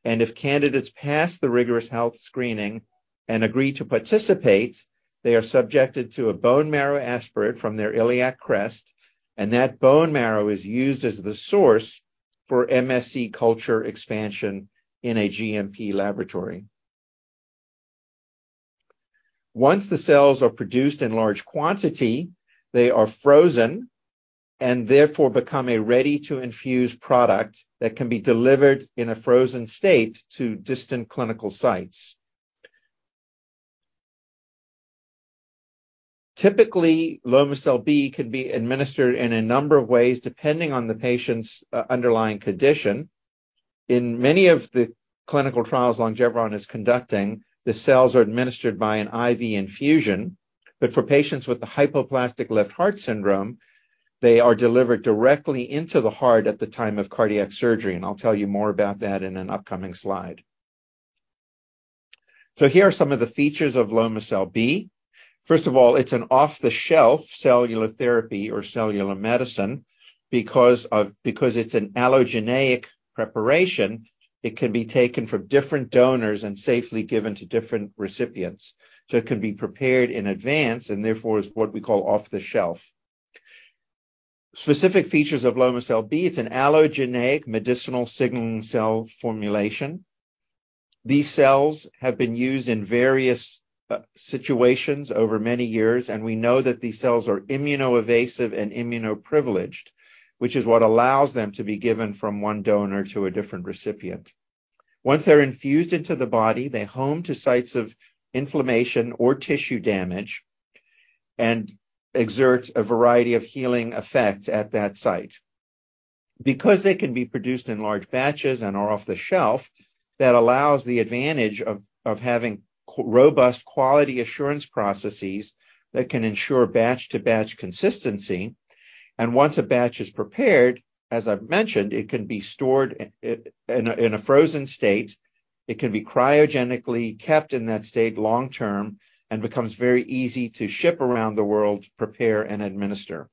and if candidates pass the rigorous health screening and agree to participate, they are subjected to a bone marrow aspirate from their iliac crest, and that bone marrow is used as the source for MSC culture expansion in a GMP laboratory. Once the cells are produced in large quantity, they are frozen and therefore become a ready-to-infuse product that can be delivered in a frozen state to distant clinical sites. Typically, Lomecel-B can be administered in a number of ways, depending on the patient's underlying condition. In many of the clinical trials Longeveron is conducting, the cells are administered by an IV infusion. For patients with the hypoplastic left heart syndrome, they are delivered directly into the heart at the time of cardiac surgery. I'll tell you more about that in an upcoming slide. Here are some of the features of Lomecel-B. First of all, it's an off-the-shelf cellular therapy or cellular medicine. Because it's an allogeneic preparation, it can be taken from different donors and safely given to different recipients. It can be prepared in advance and therefore is what we call off the shelf. Specific features of Lomecel-B, it's an allogeneic medicinal signaling cell formulation. These cells have been used in various situations over many years, and we know that these cells are immunoevasive and immunoprivileged, which is what allows them to be given from one donor to a different recipient. Once they're infused into the body, they home to sites of inflammation or tissue damage and exert a variety of healing effects at that site. Because they can be produced in large batches and are off the shelf, that allows the advantage of, of having robust quality assurance processes that can ensure batch-to-batch consistency. And once a batch is prepared, as I've mentioned, it can be stored in a, in a frozen state. It can be cryogenically kept in that state long term and becomes very easy to ship around the world, prepare, and administer.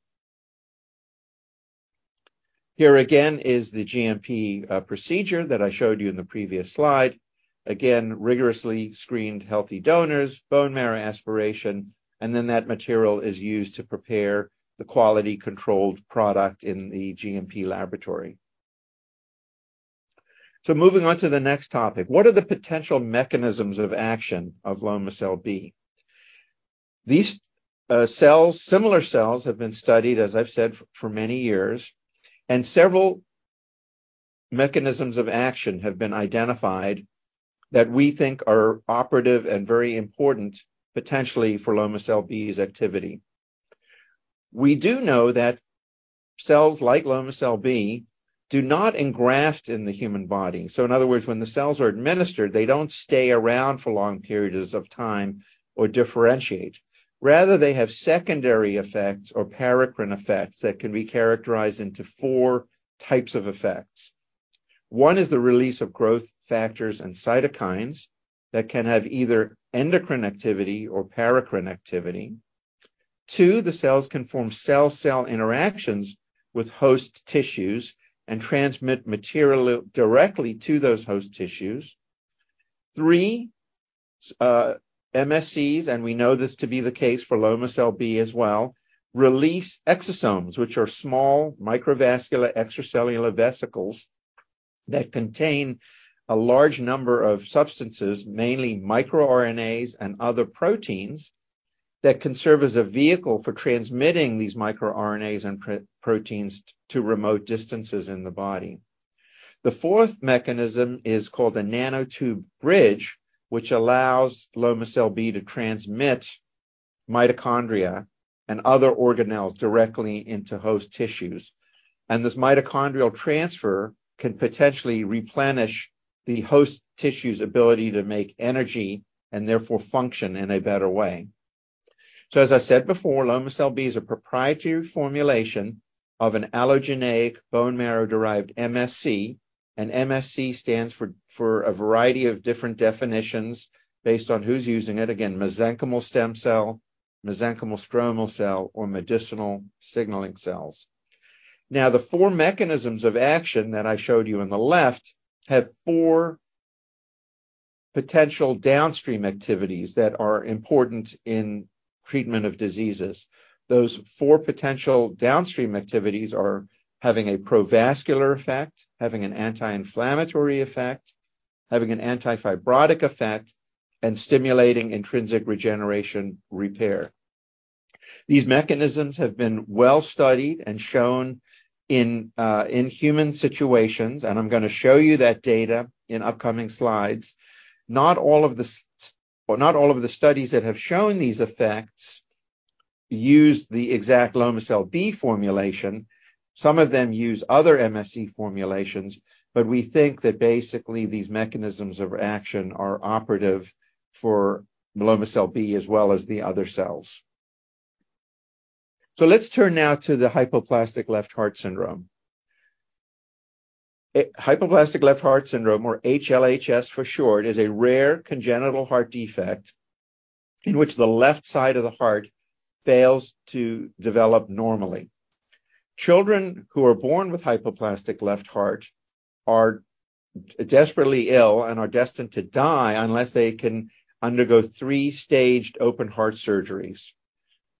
Here again is the GMP procedure that I showed you in the previous slide. Again, rigorously screened healthy donors, bone marrow aspiration, and then that material is used to prepare the quality-controlled product in the GMP laboratory. Moving on to the next topic, what are the potential mechanisms of action of Lomecel-B? These cells, similar cells have been studied, as I've said, for many years, and several mechanisms of action have been identified that we think are operative and very important potentially for Lomecel-B's activity. We do know that cells like Lomecel-B do not engraft in the human body. In other words, when the cells are administered, they don't stay around for long periods of time or differentiate. Rather, they have secondary effects or paracrine effects that can be characterized into four types of effects. One is the release of growth factors and cytokines that can have either endocrine activity or paracrine activity. Two, the cells can form cell-cell interactions with host tissues and transmit material directly to those host tissues. Three, MSCs, and we know this to be the case for Lomecel-B as well, release exosomes, which are small microvascular extracellular vesicles that contain a large number of substances, mainly microRNAs and other proteins, that can serve as a vehicle for transmitting these microRNAs and proteins to remote distances in the body. The fourth mechanism is called the nanotube bridge, which allows Lomecel-B to transmit mitochondria and other organelles directly into host tissues. This mitochondrial transfer can potentially replenish the host tissue's ability to make energy and therefore function in a better way. As I said before, Lomecel-B is a proprietary formulation of an allogeneic bone marrow-derived MSC, and MSC stands for, for a variety of different definitions based on who's using it. Again, mesenchymal stem cell, mesenchymal stromal cell, or medicinal signaling cells. Now, the four mechanisms of action that I showed you on the left have four potential downstream activities that are important in treatment of diseases. Those four potential downstream activities are having a provascular effect, having an anti-inflammatory effect, having an anti-fibrotic effect, and stimulating intrinsic regeneration repair. These mechanisms have been well studied and shown in human situations, and I'm going to show you that data in upcoming slides. Not all of the well, not all of the studies that have shown these effects use the exact Lomecel-B formulation. Some of them use other MSC formulations, but we think that basically these mechanisms of action are operative for Lomecel-B as well as the other cells. Let's turn now to the hypoplastic left heart syndrome.... A hypoplastic left heart syndrome, or HLHS for short, is a rare congenital heart defect in which the left side of the heart fails to develop normally. Children who are born with hypoplastic left heart are desperately ill and are destined to die unless they can undergo three staged open heart surgeries.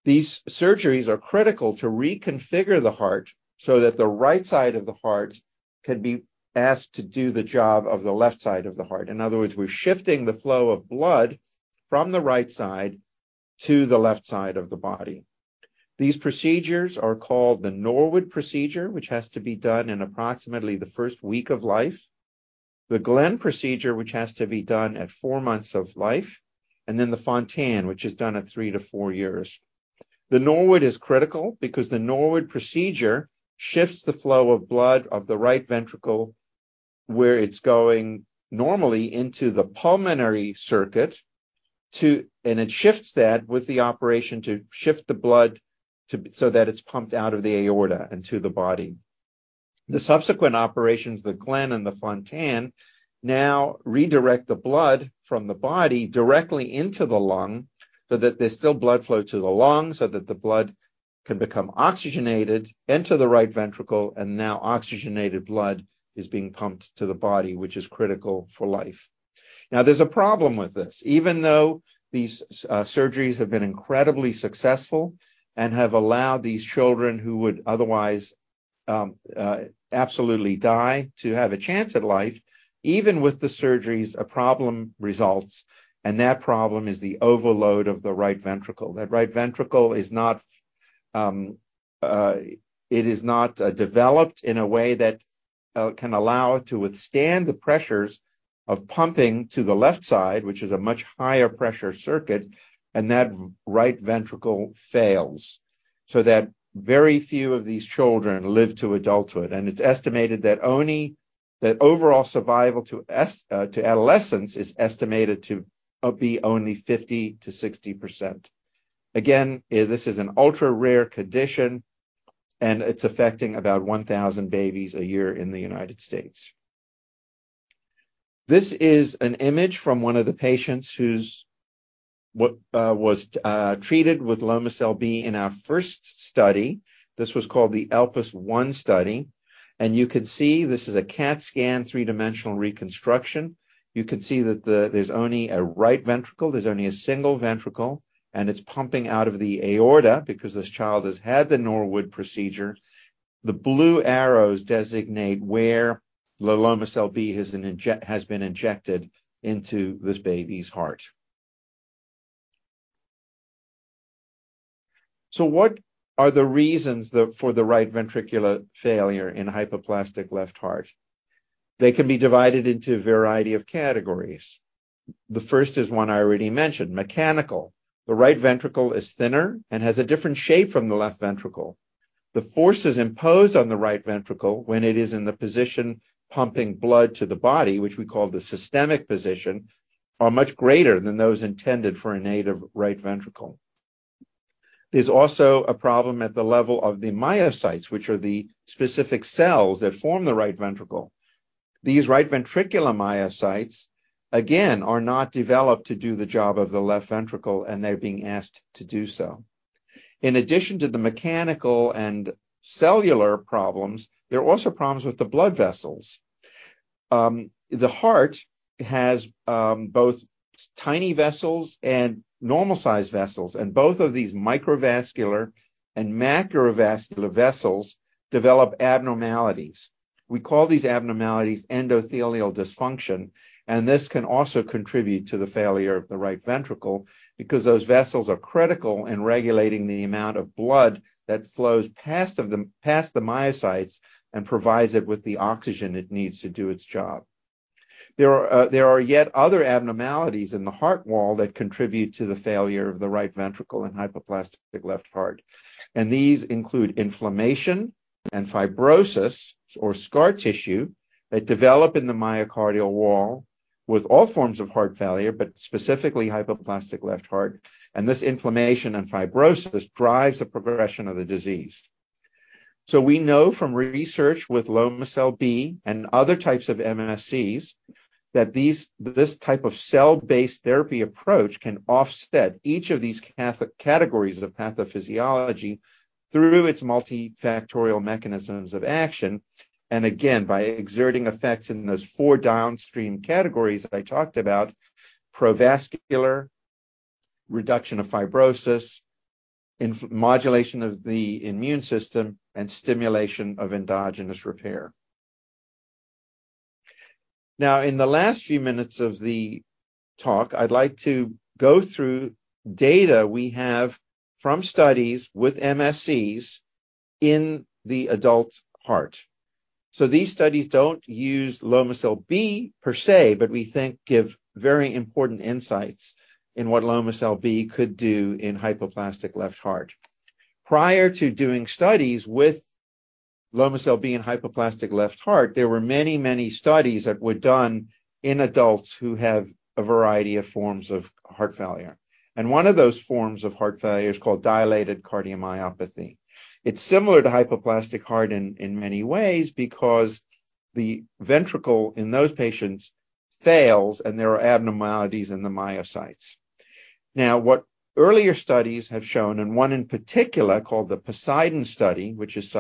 These surgeries are critical to reconfigure the heart so that the right side of the heart can be asked to do the job of the left side of the heart. In other words, we're shifting the flow of blood from the right side to the left side of the body. These procedures are called the Norwood procedure, which has to be done in approximately the first week of life, the Glenn procedure, which has to be done at four months of life, and then the Fontan, which is done at three to four years. The Norwood is critical because the Norwood procedure shifts the flow of blood of the right ventricle, where it's going normally into the pulmonary circuit, so that it's pumped out of the aorta and to the body. The subsequent operations, the Glenn and the Fontan, now redirect the blood from the body directly into the lung, so that there's still blood flow to the lungs, so that the blood can become oxygenated, enter the right ventricle, and now oxygenated blood is being pumped to the body, which is critical for life. Now, there's a problem with this. Even though these surgeries have been incredibly successful and have allowed these children who would otherwise absolutely die, to have a chance at life, even with the surgeries, a problem results, and that problem is the overload of the right ventricle. That right ventricle is not, it is not developed in a way that can allow it to withstand the pressures of pumping to the left side, which is a much higher pressure circuit, and that right ventricle fails, so that very few of these children live to adulthood. It's estimated that only, that overall survival to adolescence is estimated to be only 50%-60%. Again, this is an ultra-rare condition, and it's affecting about 1,000 babies a year in the United States. This is an image from one of the patients whose heart was treated with Lomecel-B in our first study. This was called the ELPIS I study. You can see this is a CT scan, three-dimensional reconstruction. You can see that there's only a right ventricle, there's only a single ventricle, and it's pumping out of the aorta because this child has had the Norwood procedure. The blue arrows designate where the Lomecel-B has been injected into this baby's heart. What are the reasons for the right ventricular failure in hypoplastic left heart? They can be divided into a variety of categories. The first is one I already mentioned, mechanical. The right ventricle is thinner and has a different shape from the left ventricle. The forces imposed on the right ventricle when it is in the position pumping blood to the body, which we call the systemic position, are much greater than those intended for a native right ventricle. There's also a problem at the level of the myocytes, which are the specific cells that form the right ventricle. These right ventricular myocytes, again, are not developed to do the job of the left ventricle, and they're being asked to do so. In addition to the mechanical and cellular problems, there are also problems with the blood vessels. The heart has both tiny vessels and normal-sized vessels, and both of these microvascular and macrovascular vessels develop abnormalities. We call these abnormalities endothelial dysfunction, and this can also contribute to the failure of the right ventricle because those vessels are critical in regulating the amount of blood that flows past the myocytes and provides it with the oxygen it needs to do its job. There are yet other abnormalities in the heart wall that contribute to the failure of the right ventricle and hypoplastic left heart, and these include inflammation and fibrosis, or scar tissue, that develop in the myocardial wall with all forms of heart failure, but specifically hypoplastic left heart, and this inflammation and fibrosis drives the progression of the disease. We know from research with Lomecel-B and other types of MSCs, that these, this type of cell-based therapy approach can offset each of these categories of pathophysiology through its multifactorial mechanisms of action, and again, by exerting effects in those four downstream categories I talked about: pro-vascular, reduction of fibrosis, modulation of the immune system, and stimulation of endogenous repair. In the last few minutes of the talk, I'd like to go through data we have from studies with MSCs in the adult heart. These studies don't use Lomecel-B per se, but we think give very important insights in what Lomecel-B could do in hypoplastic left heart. Prior to doing studies with Lomecel-B in hypoplastic left heart, there were many, many studies that were done in adults who have a variety of forms of heart failure. One of those forms of heart failure is called dilated cardiomyopathy. It's similar to hypoplastic heart in many ways because the ventricle in those patients fails and there are abnormalities in the myocytes. Now, what earlier studies have shown, and one in particular called the POSEIDON study, which is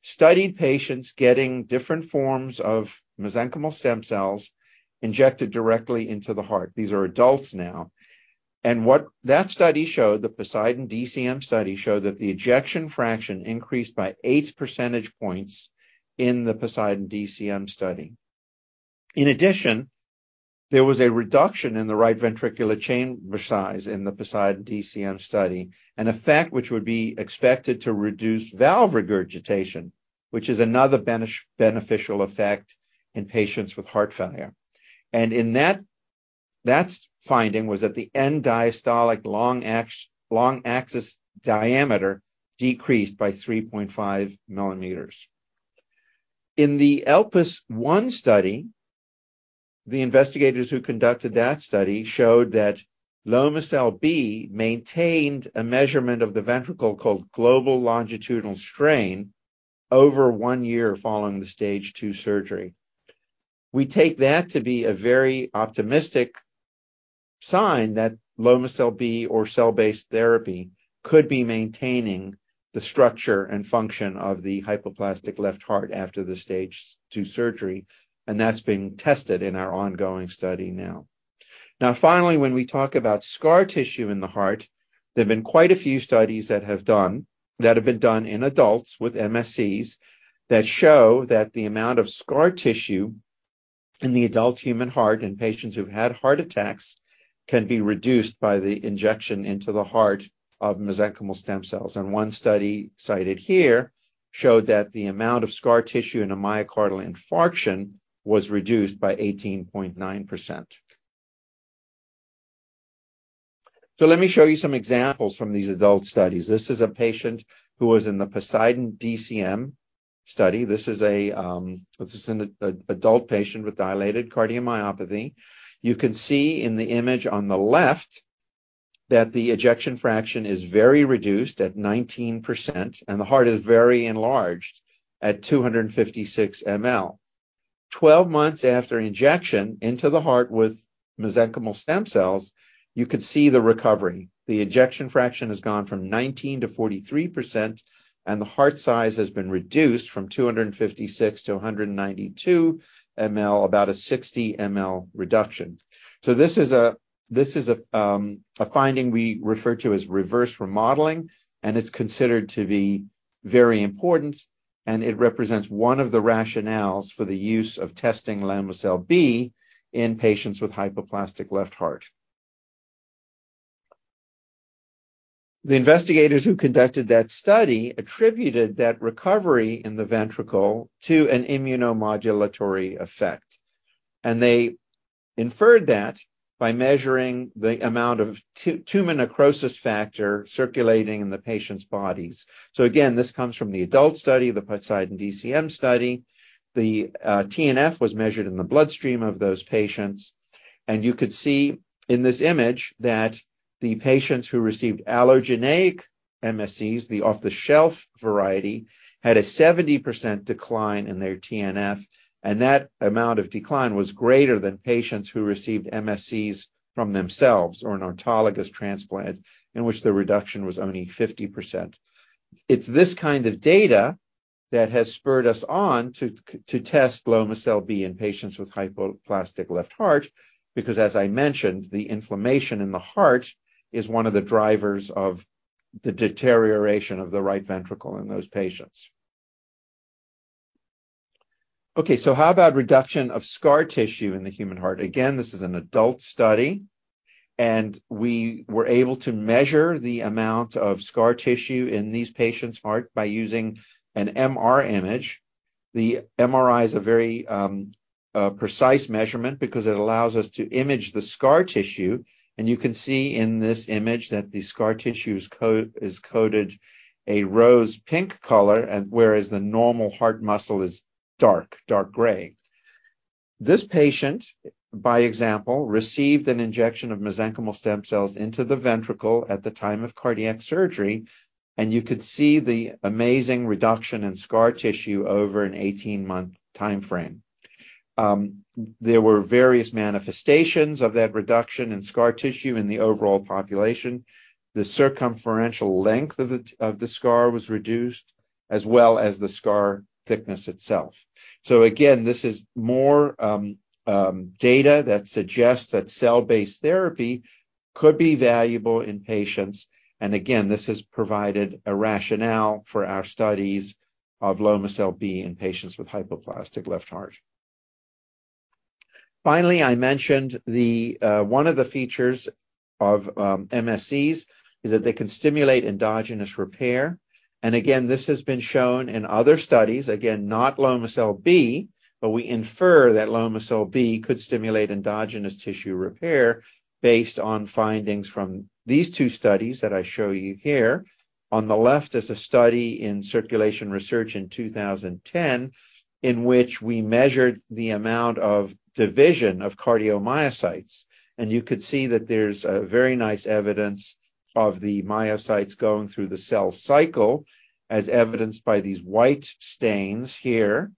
cited here, studied patients getting different forms of mesenchymal stem cells injected directly into the heart. These are adults now. What that study showed, the POSEIDON-DCM study, showed that the ejection fraction increased by 8 percentage points in the POSEIDON-DCM study. In addition, there was a reduction in the right ventricular chamber size in the POSEIDON-DCM study, an effect which would be expected to reduce valve regurgitation, which is another beneficial effect in patients with heart failure. In that, that finding was that the end-diastolic long-axis diameter decreased by 3.5 millimeters. In the ELPIS I study, the investigators who conducted that study showed that Lomecel-B maintained a measurement of the ventricle called global longitudinal strain over 1 year following the stage two surgery. We take that to be a very optimistic sign that Lomecel-B or cell-based therapy could be maintaining the structure and function of the hypoplastic left heart after the stage two surgery, and that's being tested in our ongoing study now. Now, finally, when we talk about scar tissue in the heart, there have been quite a few studies that have been done in adults with MSCs that show that the amount of scar tissue in the adult human heart, in patients who've had heart attacks, can be reduced by the injection into the heart of mesenchymal stem cells. One study cited here showed that the amount of scar tissue in a myocardial infarction was reduced by 18.9%. Let me show you some examples from these adult studies. This is a patient who was in the POSEIDON-DCM study. This is an adult patient with dilated cardiomyopathy. You can see in the image on the left that the ejection fraction is very reduced at 19%, and the heart is very enlarged at 256 ml. 12 months after injection into the heart with mesenchymal stem cells, you could see the recovery. The ejection fraction has gone from 19 to 43%, and the heart size has been reduced from 256 to 192 ml, about a 60 ml reduction. This is a, this is a finding we refer to as reverse remodeling, and it's considered to be very important, and it represents one of the rationales for the use of testing Lomecel-B in patients with hypoplastic left heart. The investigators who conducted that study attributed that recovery in the ventricle to an immunomodulatory effect, and they inferred that by measuring the amount of tumor necrosis factor circulating in the patients' bodies. Again, this comes from the adult study, the POSEIDON-DCM study. The TNF was measured in the bloodstream of those patients, and you could see in this image that the patients who received allogeneic MSCs, the off-the-shelf variety, had a 70% decline in their TNF, and that amount of decline was greater than patients who received MSCs from themselves or an autologous transplant, in which the reduction was only 50%. It's this kind of data that has spurred us on to test Lomecel-B in patients with hypoplastic left heart, because, as I mentioned, the inflammation in the heart is one of the drivers of the deterioration of the right ventricle in those patients. How about reduction of scar tissue in the human heart? This is an adult study, and we were able to measure the amount of scar tissue in these patients' heart by using an MR image. The MRI is a very precise measurement because it allows us to image the scar tissue. You can see in this image that the scar tissue is coded a rose pink color, whereas the normal heart muscle is dark, dark gray. This patient, by example, received an injection of mesenchymal stem cells into the ventricle at the time of cardiac surgery. You could see the amazing reduction in scar tissue over an 18-month time frame. There were various manifestations of that reduction in scar tissue in the overall population. The circumferential length of the scar was reduced, as well as the scar thickness itself. Again, this is more data that suggests that cell-based therapy could be valuable in patients. Again, this has provided a rationale for our studies of Lomecel-B in patients with hypoplastic left heart. Finally, I mentioned one of the features of MSCs is that they can stimulate endogenous repair. Again, this has been shown in other studies. Again, not Lomecel-B, but we infer that Lomecel-B could stimulate endogenous tissue repair based on findings from these two studies that I show you here. On the left is a study in Circulation Research in 2010, in which we measured the amount of division of cardiomyocytes and you could see that there's very nice evidence of the myocytes going through the cell cycle, as evidenced by these white stains here.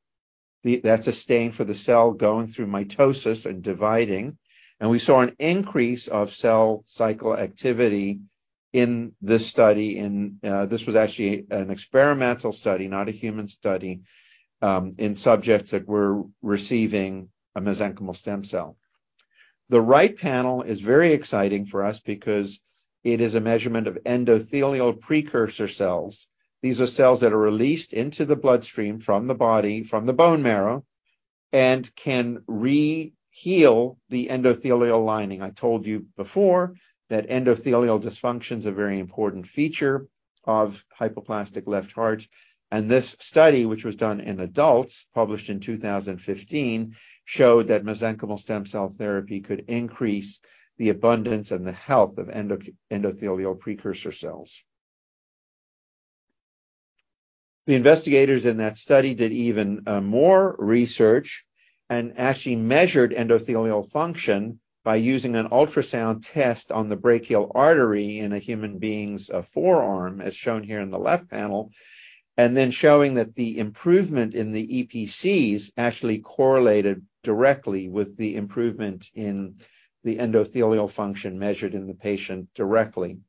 That's a stain for the cell going through mitosis and dividing, and we saw an increase of cell cycle activity in this study. This was actually an experimental study, not a human study, in subjects that were receiving a mesenchymal stem cell. The right panel is very exciting for us because it is a measurement of endothelial progenitor cells. These are cells that are released into the bloodstream from the body, from the bone marrow, and can re-heal the endothelial lining. I told you before that endothelial dysfunction's a very important feature of hypoplastic left heart, and this study, which was done in adults, published in 2015, showed that mesenchymal stem cell therapy could increase the abundance and the health of endothelial progenitor cells. The investigators in that study did even more research and actually measured endothelial function by using an ultrasound test on the brachial artery in a human being's forearm, as shown here in the left panel, and then showing that the improvement in the EPCs actually correlated directly with the improvement in the endothelial function measured in the patient directly.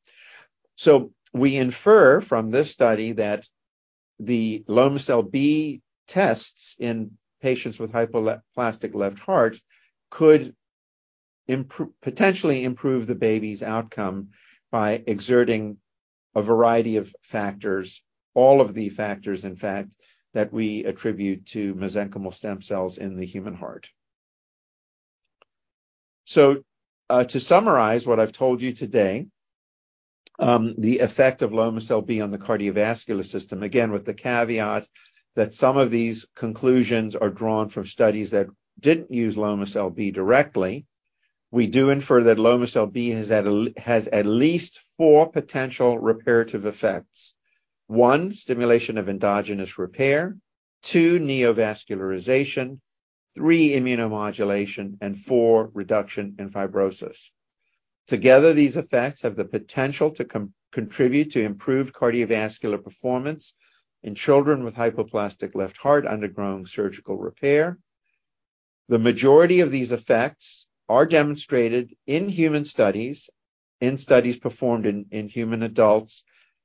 We infer from this study that the Lomecel-B tests in patients with hypoplastic left heart could potentially improve the baby's outcome by exerting a variety of factors, all of the factors, in fact, that we attribute to mesenchymal stem cells in the human heart. To summarize what I've told you today, the effect of Lomecel-B on the cardiovascular system, again, with the caveat that some of these conclusions are drawn from studies that didn't use Lomecel-B directly. We do infer that Lomecel-B has at least four potential reparative effects: one, stimulation of endogenous repair, two, neovascularization, three, immunomodulation, and four, reduction in fibrosis. Together, these effects have the potential to contribute to improved cardiovascular performance in children with hypoplastic left heart undergoing surgical repair. The majority of these effects are demonstrated in human studies, in studies performed in human adults,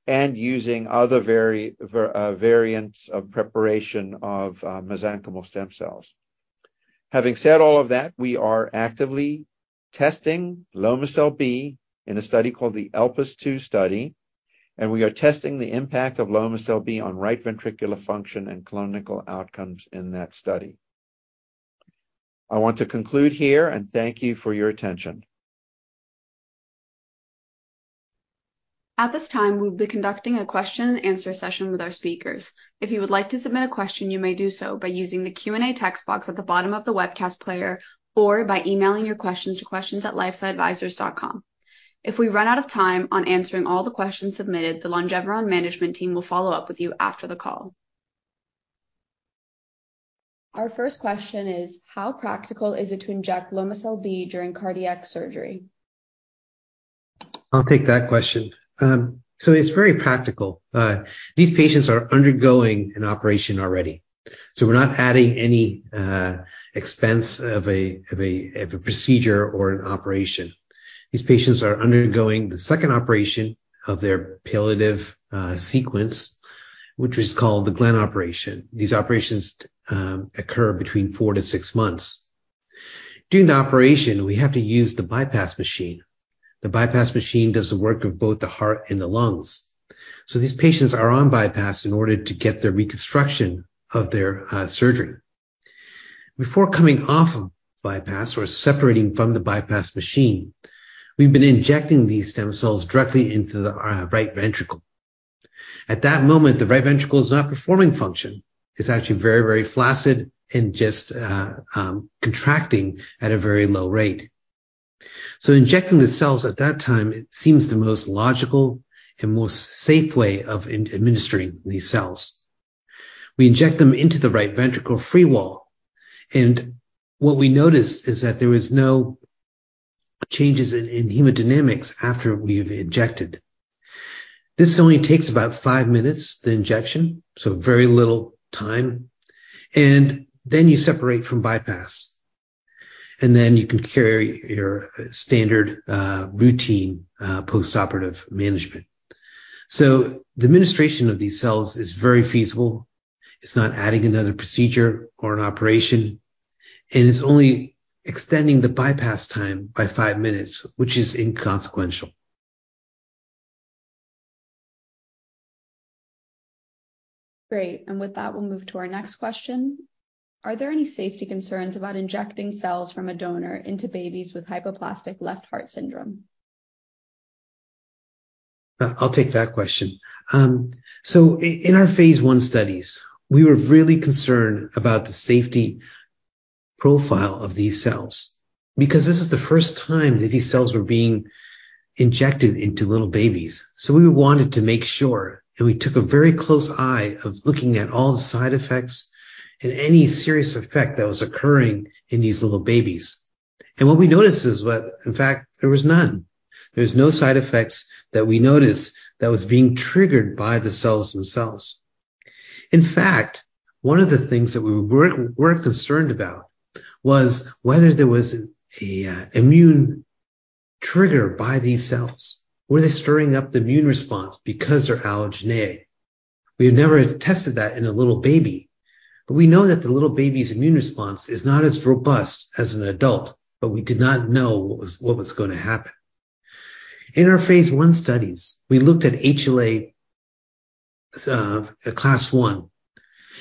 and using other variants of preparation of mesenchymal stem cells. Having said all of that, we are actively testing Lomecel-B in a study called the ELPIS II study, and we are testing the impact of Lomecel-B on right ventricular function and clinical outcomes in that study. I want to conclude here. Thank you for your attention. At this time, we'll be conducting a question and answer session with our speakers. If you would like to submit a question, you may do so by using the Q&A text box at the bottom of the webcast player or by emailing your questions to questions@lifesciadvisors.com. If we run out of time on answering all the questions submitted, the Longeveron management team will follow up with you after the call. Our first question is: How practical is it to inject Lomecel-B during cardiac surgery? I'll take that question. It's very practical. These patients are undergoing an operation already, we're not adding any expense of a, of a, of a procedure or an operation. These patients are undergoing the second operation of their palliative sequence, which is called the Glenn procedure. These operations occur between 4-6 months. During the operation, we have to use the bypass machine. The bypass machine does the work of both the heart and the lungs. These patients are on bypass in order to get the reconstruction of their surgery. Before coming off of bypass or separating from the bypass machine, we've been injecting these stem cells directly into the right ventricle. At that moment, the right ventricle is not performing function. It's actually very, very flaccid and just contracting at a very low rate. Injecting the cells at that time, it seems the most logical and most safe way of administering these cells. We inject them into the right ventricle free wall, and what we notice is that there is no changes in hemodynamics after we've injected. This only takes about 5 minutes, the injection, so very little time, and then you separate from bypass, and then you can carry your standard routine post-operative management. The administration of these cells is very feasible. It's not adding another procedure or an operation, and it's only extending the bypass time by 5 minutes, which is inconsequential. Great. With that, we'll move to our next question: Are there any safety concerns about injecting cells from a donor into babies with hypoplastic left heart syndrome? I'll take that question. So in our phase 1 studies, we were really concerned about the safety profile of these cells because this is the first time that these cells were being injected into little babies. We wanted to make sure, and we took a very close eye of looking at all the side effects and any serious effect that was occurring in these little babies. What we noticed is that, in fact, there was none. There was no side effects that we noticed that was being triggered by the cells themselves. In fact, one of the things that we were concerned about was whether there was a immune trigger by these cells. Were they stirring up the immune response because they're allogeneic? We had never had tested that in a little baby, but we know that the little baby's immune response is not as robust as an adult, but we did not know what was, what was gonna happen. In our phase 1 studies, we looked at HLA class I,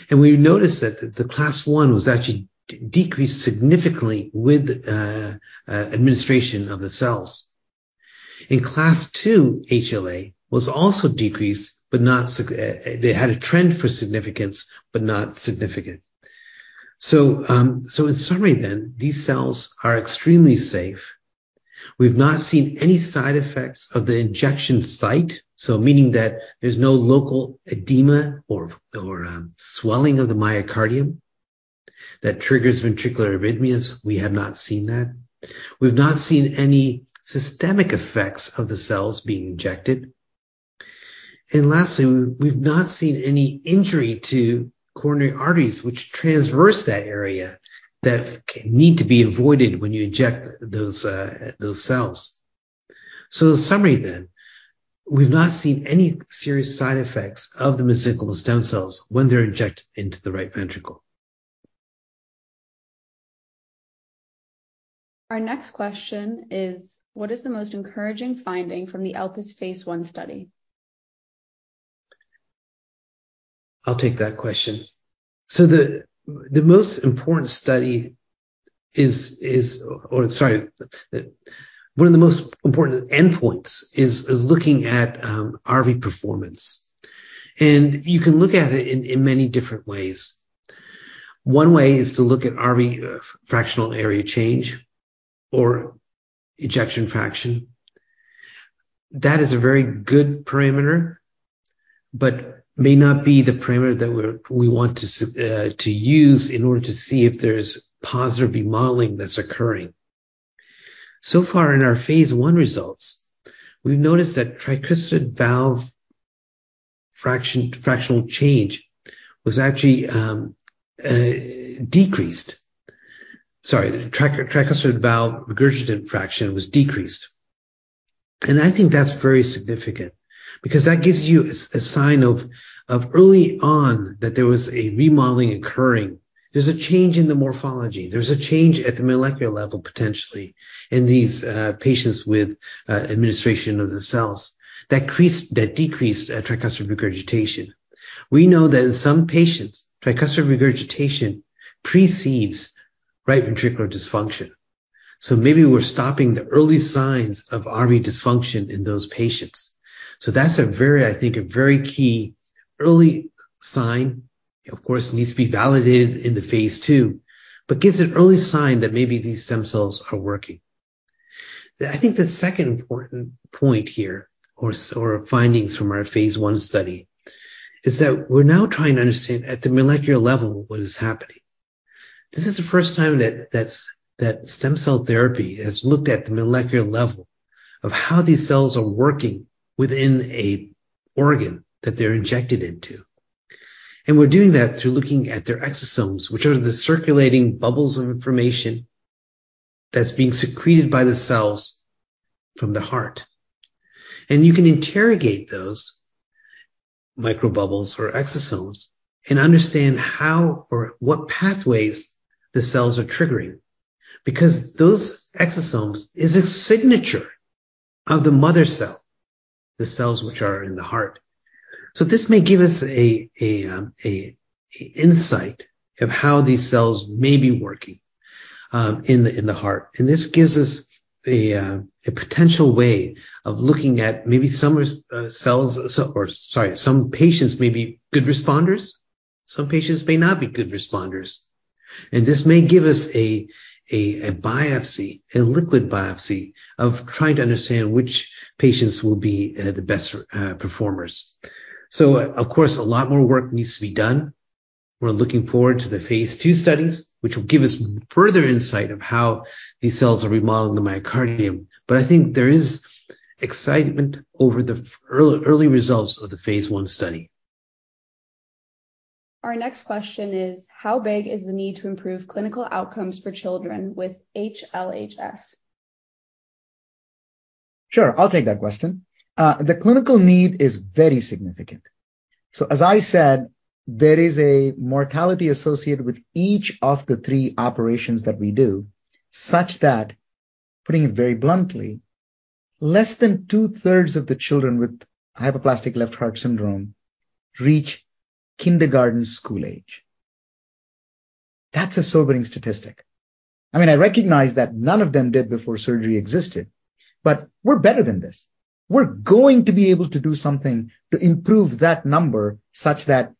and we noticed that the class I was actually decreased significantly with administration of the cells. In class II, HLA was also decreased, but not, they had a trend for significance, but not significant. In summary then, these cells are extremely safe. We've not seen any side effects of the injection site, so meaning that there's no local edema or, or, swelling of the myocardium that triggers ventricular arrhythmias. We have not seen that. We've not seen any systemic effects of the cells being injected. lastly, we've not seen any injury to coronary arteries which transverse that area that need to be avoided when you inject those cells. In summary, we've not seen any serious side effects of the mesenchymal stem cells when they're injected into the right ventricle. Our next question is: What is the most encouraging finding from the ELPIS phase 1 study? I'll take that question. The, the most important study is, is... Or sorry, the, one of the most important endpoints is, is looking at RV performance, and you can look at it in, in many different ways. One way is to look at RV fractional area change or ejection fraction. That is a very good parameter, but may not be the parameter that we want to use in order to see if there's positive remodeling that's occurring. Far in our phase 1 results, we've noticed that tricuspid valve fraction, fractional change was actually decreased. Sorry, tricuspid valve regurgitant fraction was decreased, and I think that's very significant because that gives you a sign of early on that there was a remodeling occurring. There's a change in the morphology. There's a change at the molecular level, potentially, in these patients with administration of the cells. That decreased tricuspid regurgitation. We know that in some patients, tricuspid regurgitation precedes right ventricular dysfunction, maybe we're stopping the early signs of RV dysfunction in those patients. That's a very, I think, a very key early sign. Of course, it needs to be validated in the phase 2, but gives an early sign that maybe these stem cells are working. The, I think the second important point here, or findings from our phase 1 study, is that we're now trying to understand at the molecular level what is happening. This is the first time that stem cell therapy has looked at the molecular level of how these cells are working within a organ that they're injected into. We're doing that through looking at their exosomes, which are the circulating bubbles of information that's being secreted by the cells from the heart. You can interrogate those microbubbles or exosomes and understand how or what pathways the cells are triggering, because those exosomes is a signature of the mother cell, the cells which are in the heart. This may give us a, a insight of how these cells may be working in the heart. This gives us a, a potential way of looking at maybe some res- cells. Sorry, some patients may be good responders, some patients may not be good responders. This may give us a, a, a biopsy, a liquid biopsy of trying to understand which patients will be the best performers. Of course, a lot more work needs to be done. We're looking forward to the phase 2 studies, which will give us further insight of how these cells are remodeling the myocardium. I think there is excitement over the early, early results of the phase 1 study. Our next question is: How big is the need to improve clinical outcomes for children with HLHS? Sure, I'll take that question. The clinical need is very significant. As I said, there is a mortality associated with each of the three operations that we do, such that, putting it very bluntly, less than two-thirds of the children with hypoplastic left heart syndrome reach kindergarten school age. That's a sobering statistic. I mean, I recognize that none of them did before surgery existed, but we're better than this. We're going to be able to do something to improve that number, such that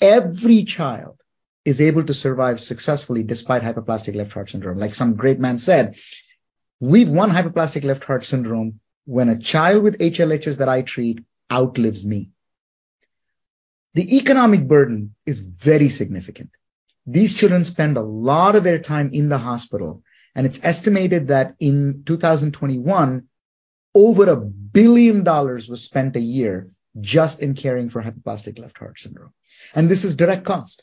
every child is able to survive successfully despite hypoplastic left heart syndrome. Like some great man said, "We've won hypoplastic left heart syndrome when a child with HLHS that I treat outlives me." The economic burden is very significant. These children spend a lot of their time in the hospital, it's estimated that in 2021, over $1 billion was spent a year just in caring for hypoplastic left heart syndrome, and this is direct cost.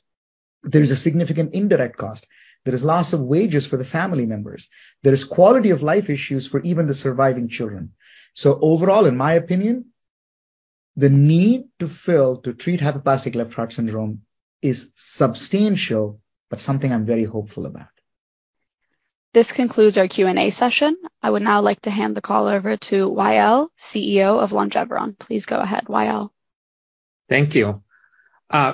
There is a significant indirect cost. There is loss of wages for the family members. There is quality of life issues for even the surviving children. Overall, in my opinion, the need to fill, to treat hypoplastic left heart syndrome is substantial, but something I'm very hopeful about. This concludes our Q&A session. I would now like to hand the call over to Wa'el, CEO of Longeveron. Please go ahead, Wa'el. Thank you.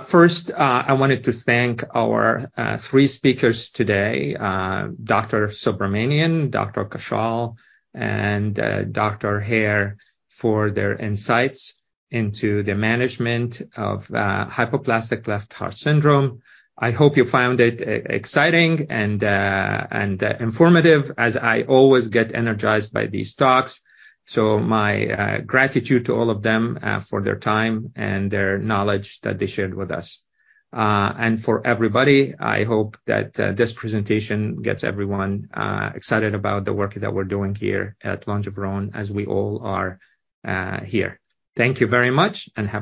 First, I wanted to thank our three speakers today, Dr. Subramanian, Dr. Kaushal, and Dr. Hare, for their insights into the management of hypoplastic left heart syndrome. I hope you found it exciting and informative, as I always get energized by these talks, so my gratitude to all of them for their time and their knowledge that they shared with us. For everybody, I hope that this presentation gets everyone excited about the work that we're doing here at Longeveron, as we all are here. Thank you very much, and have a-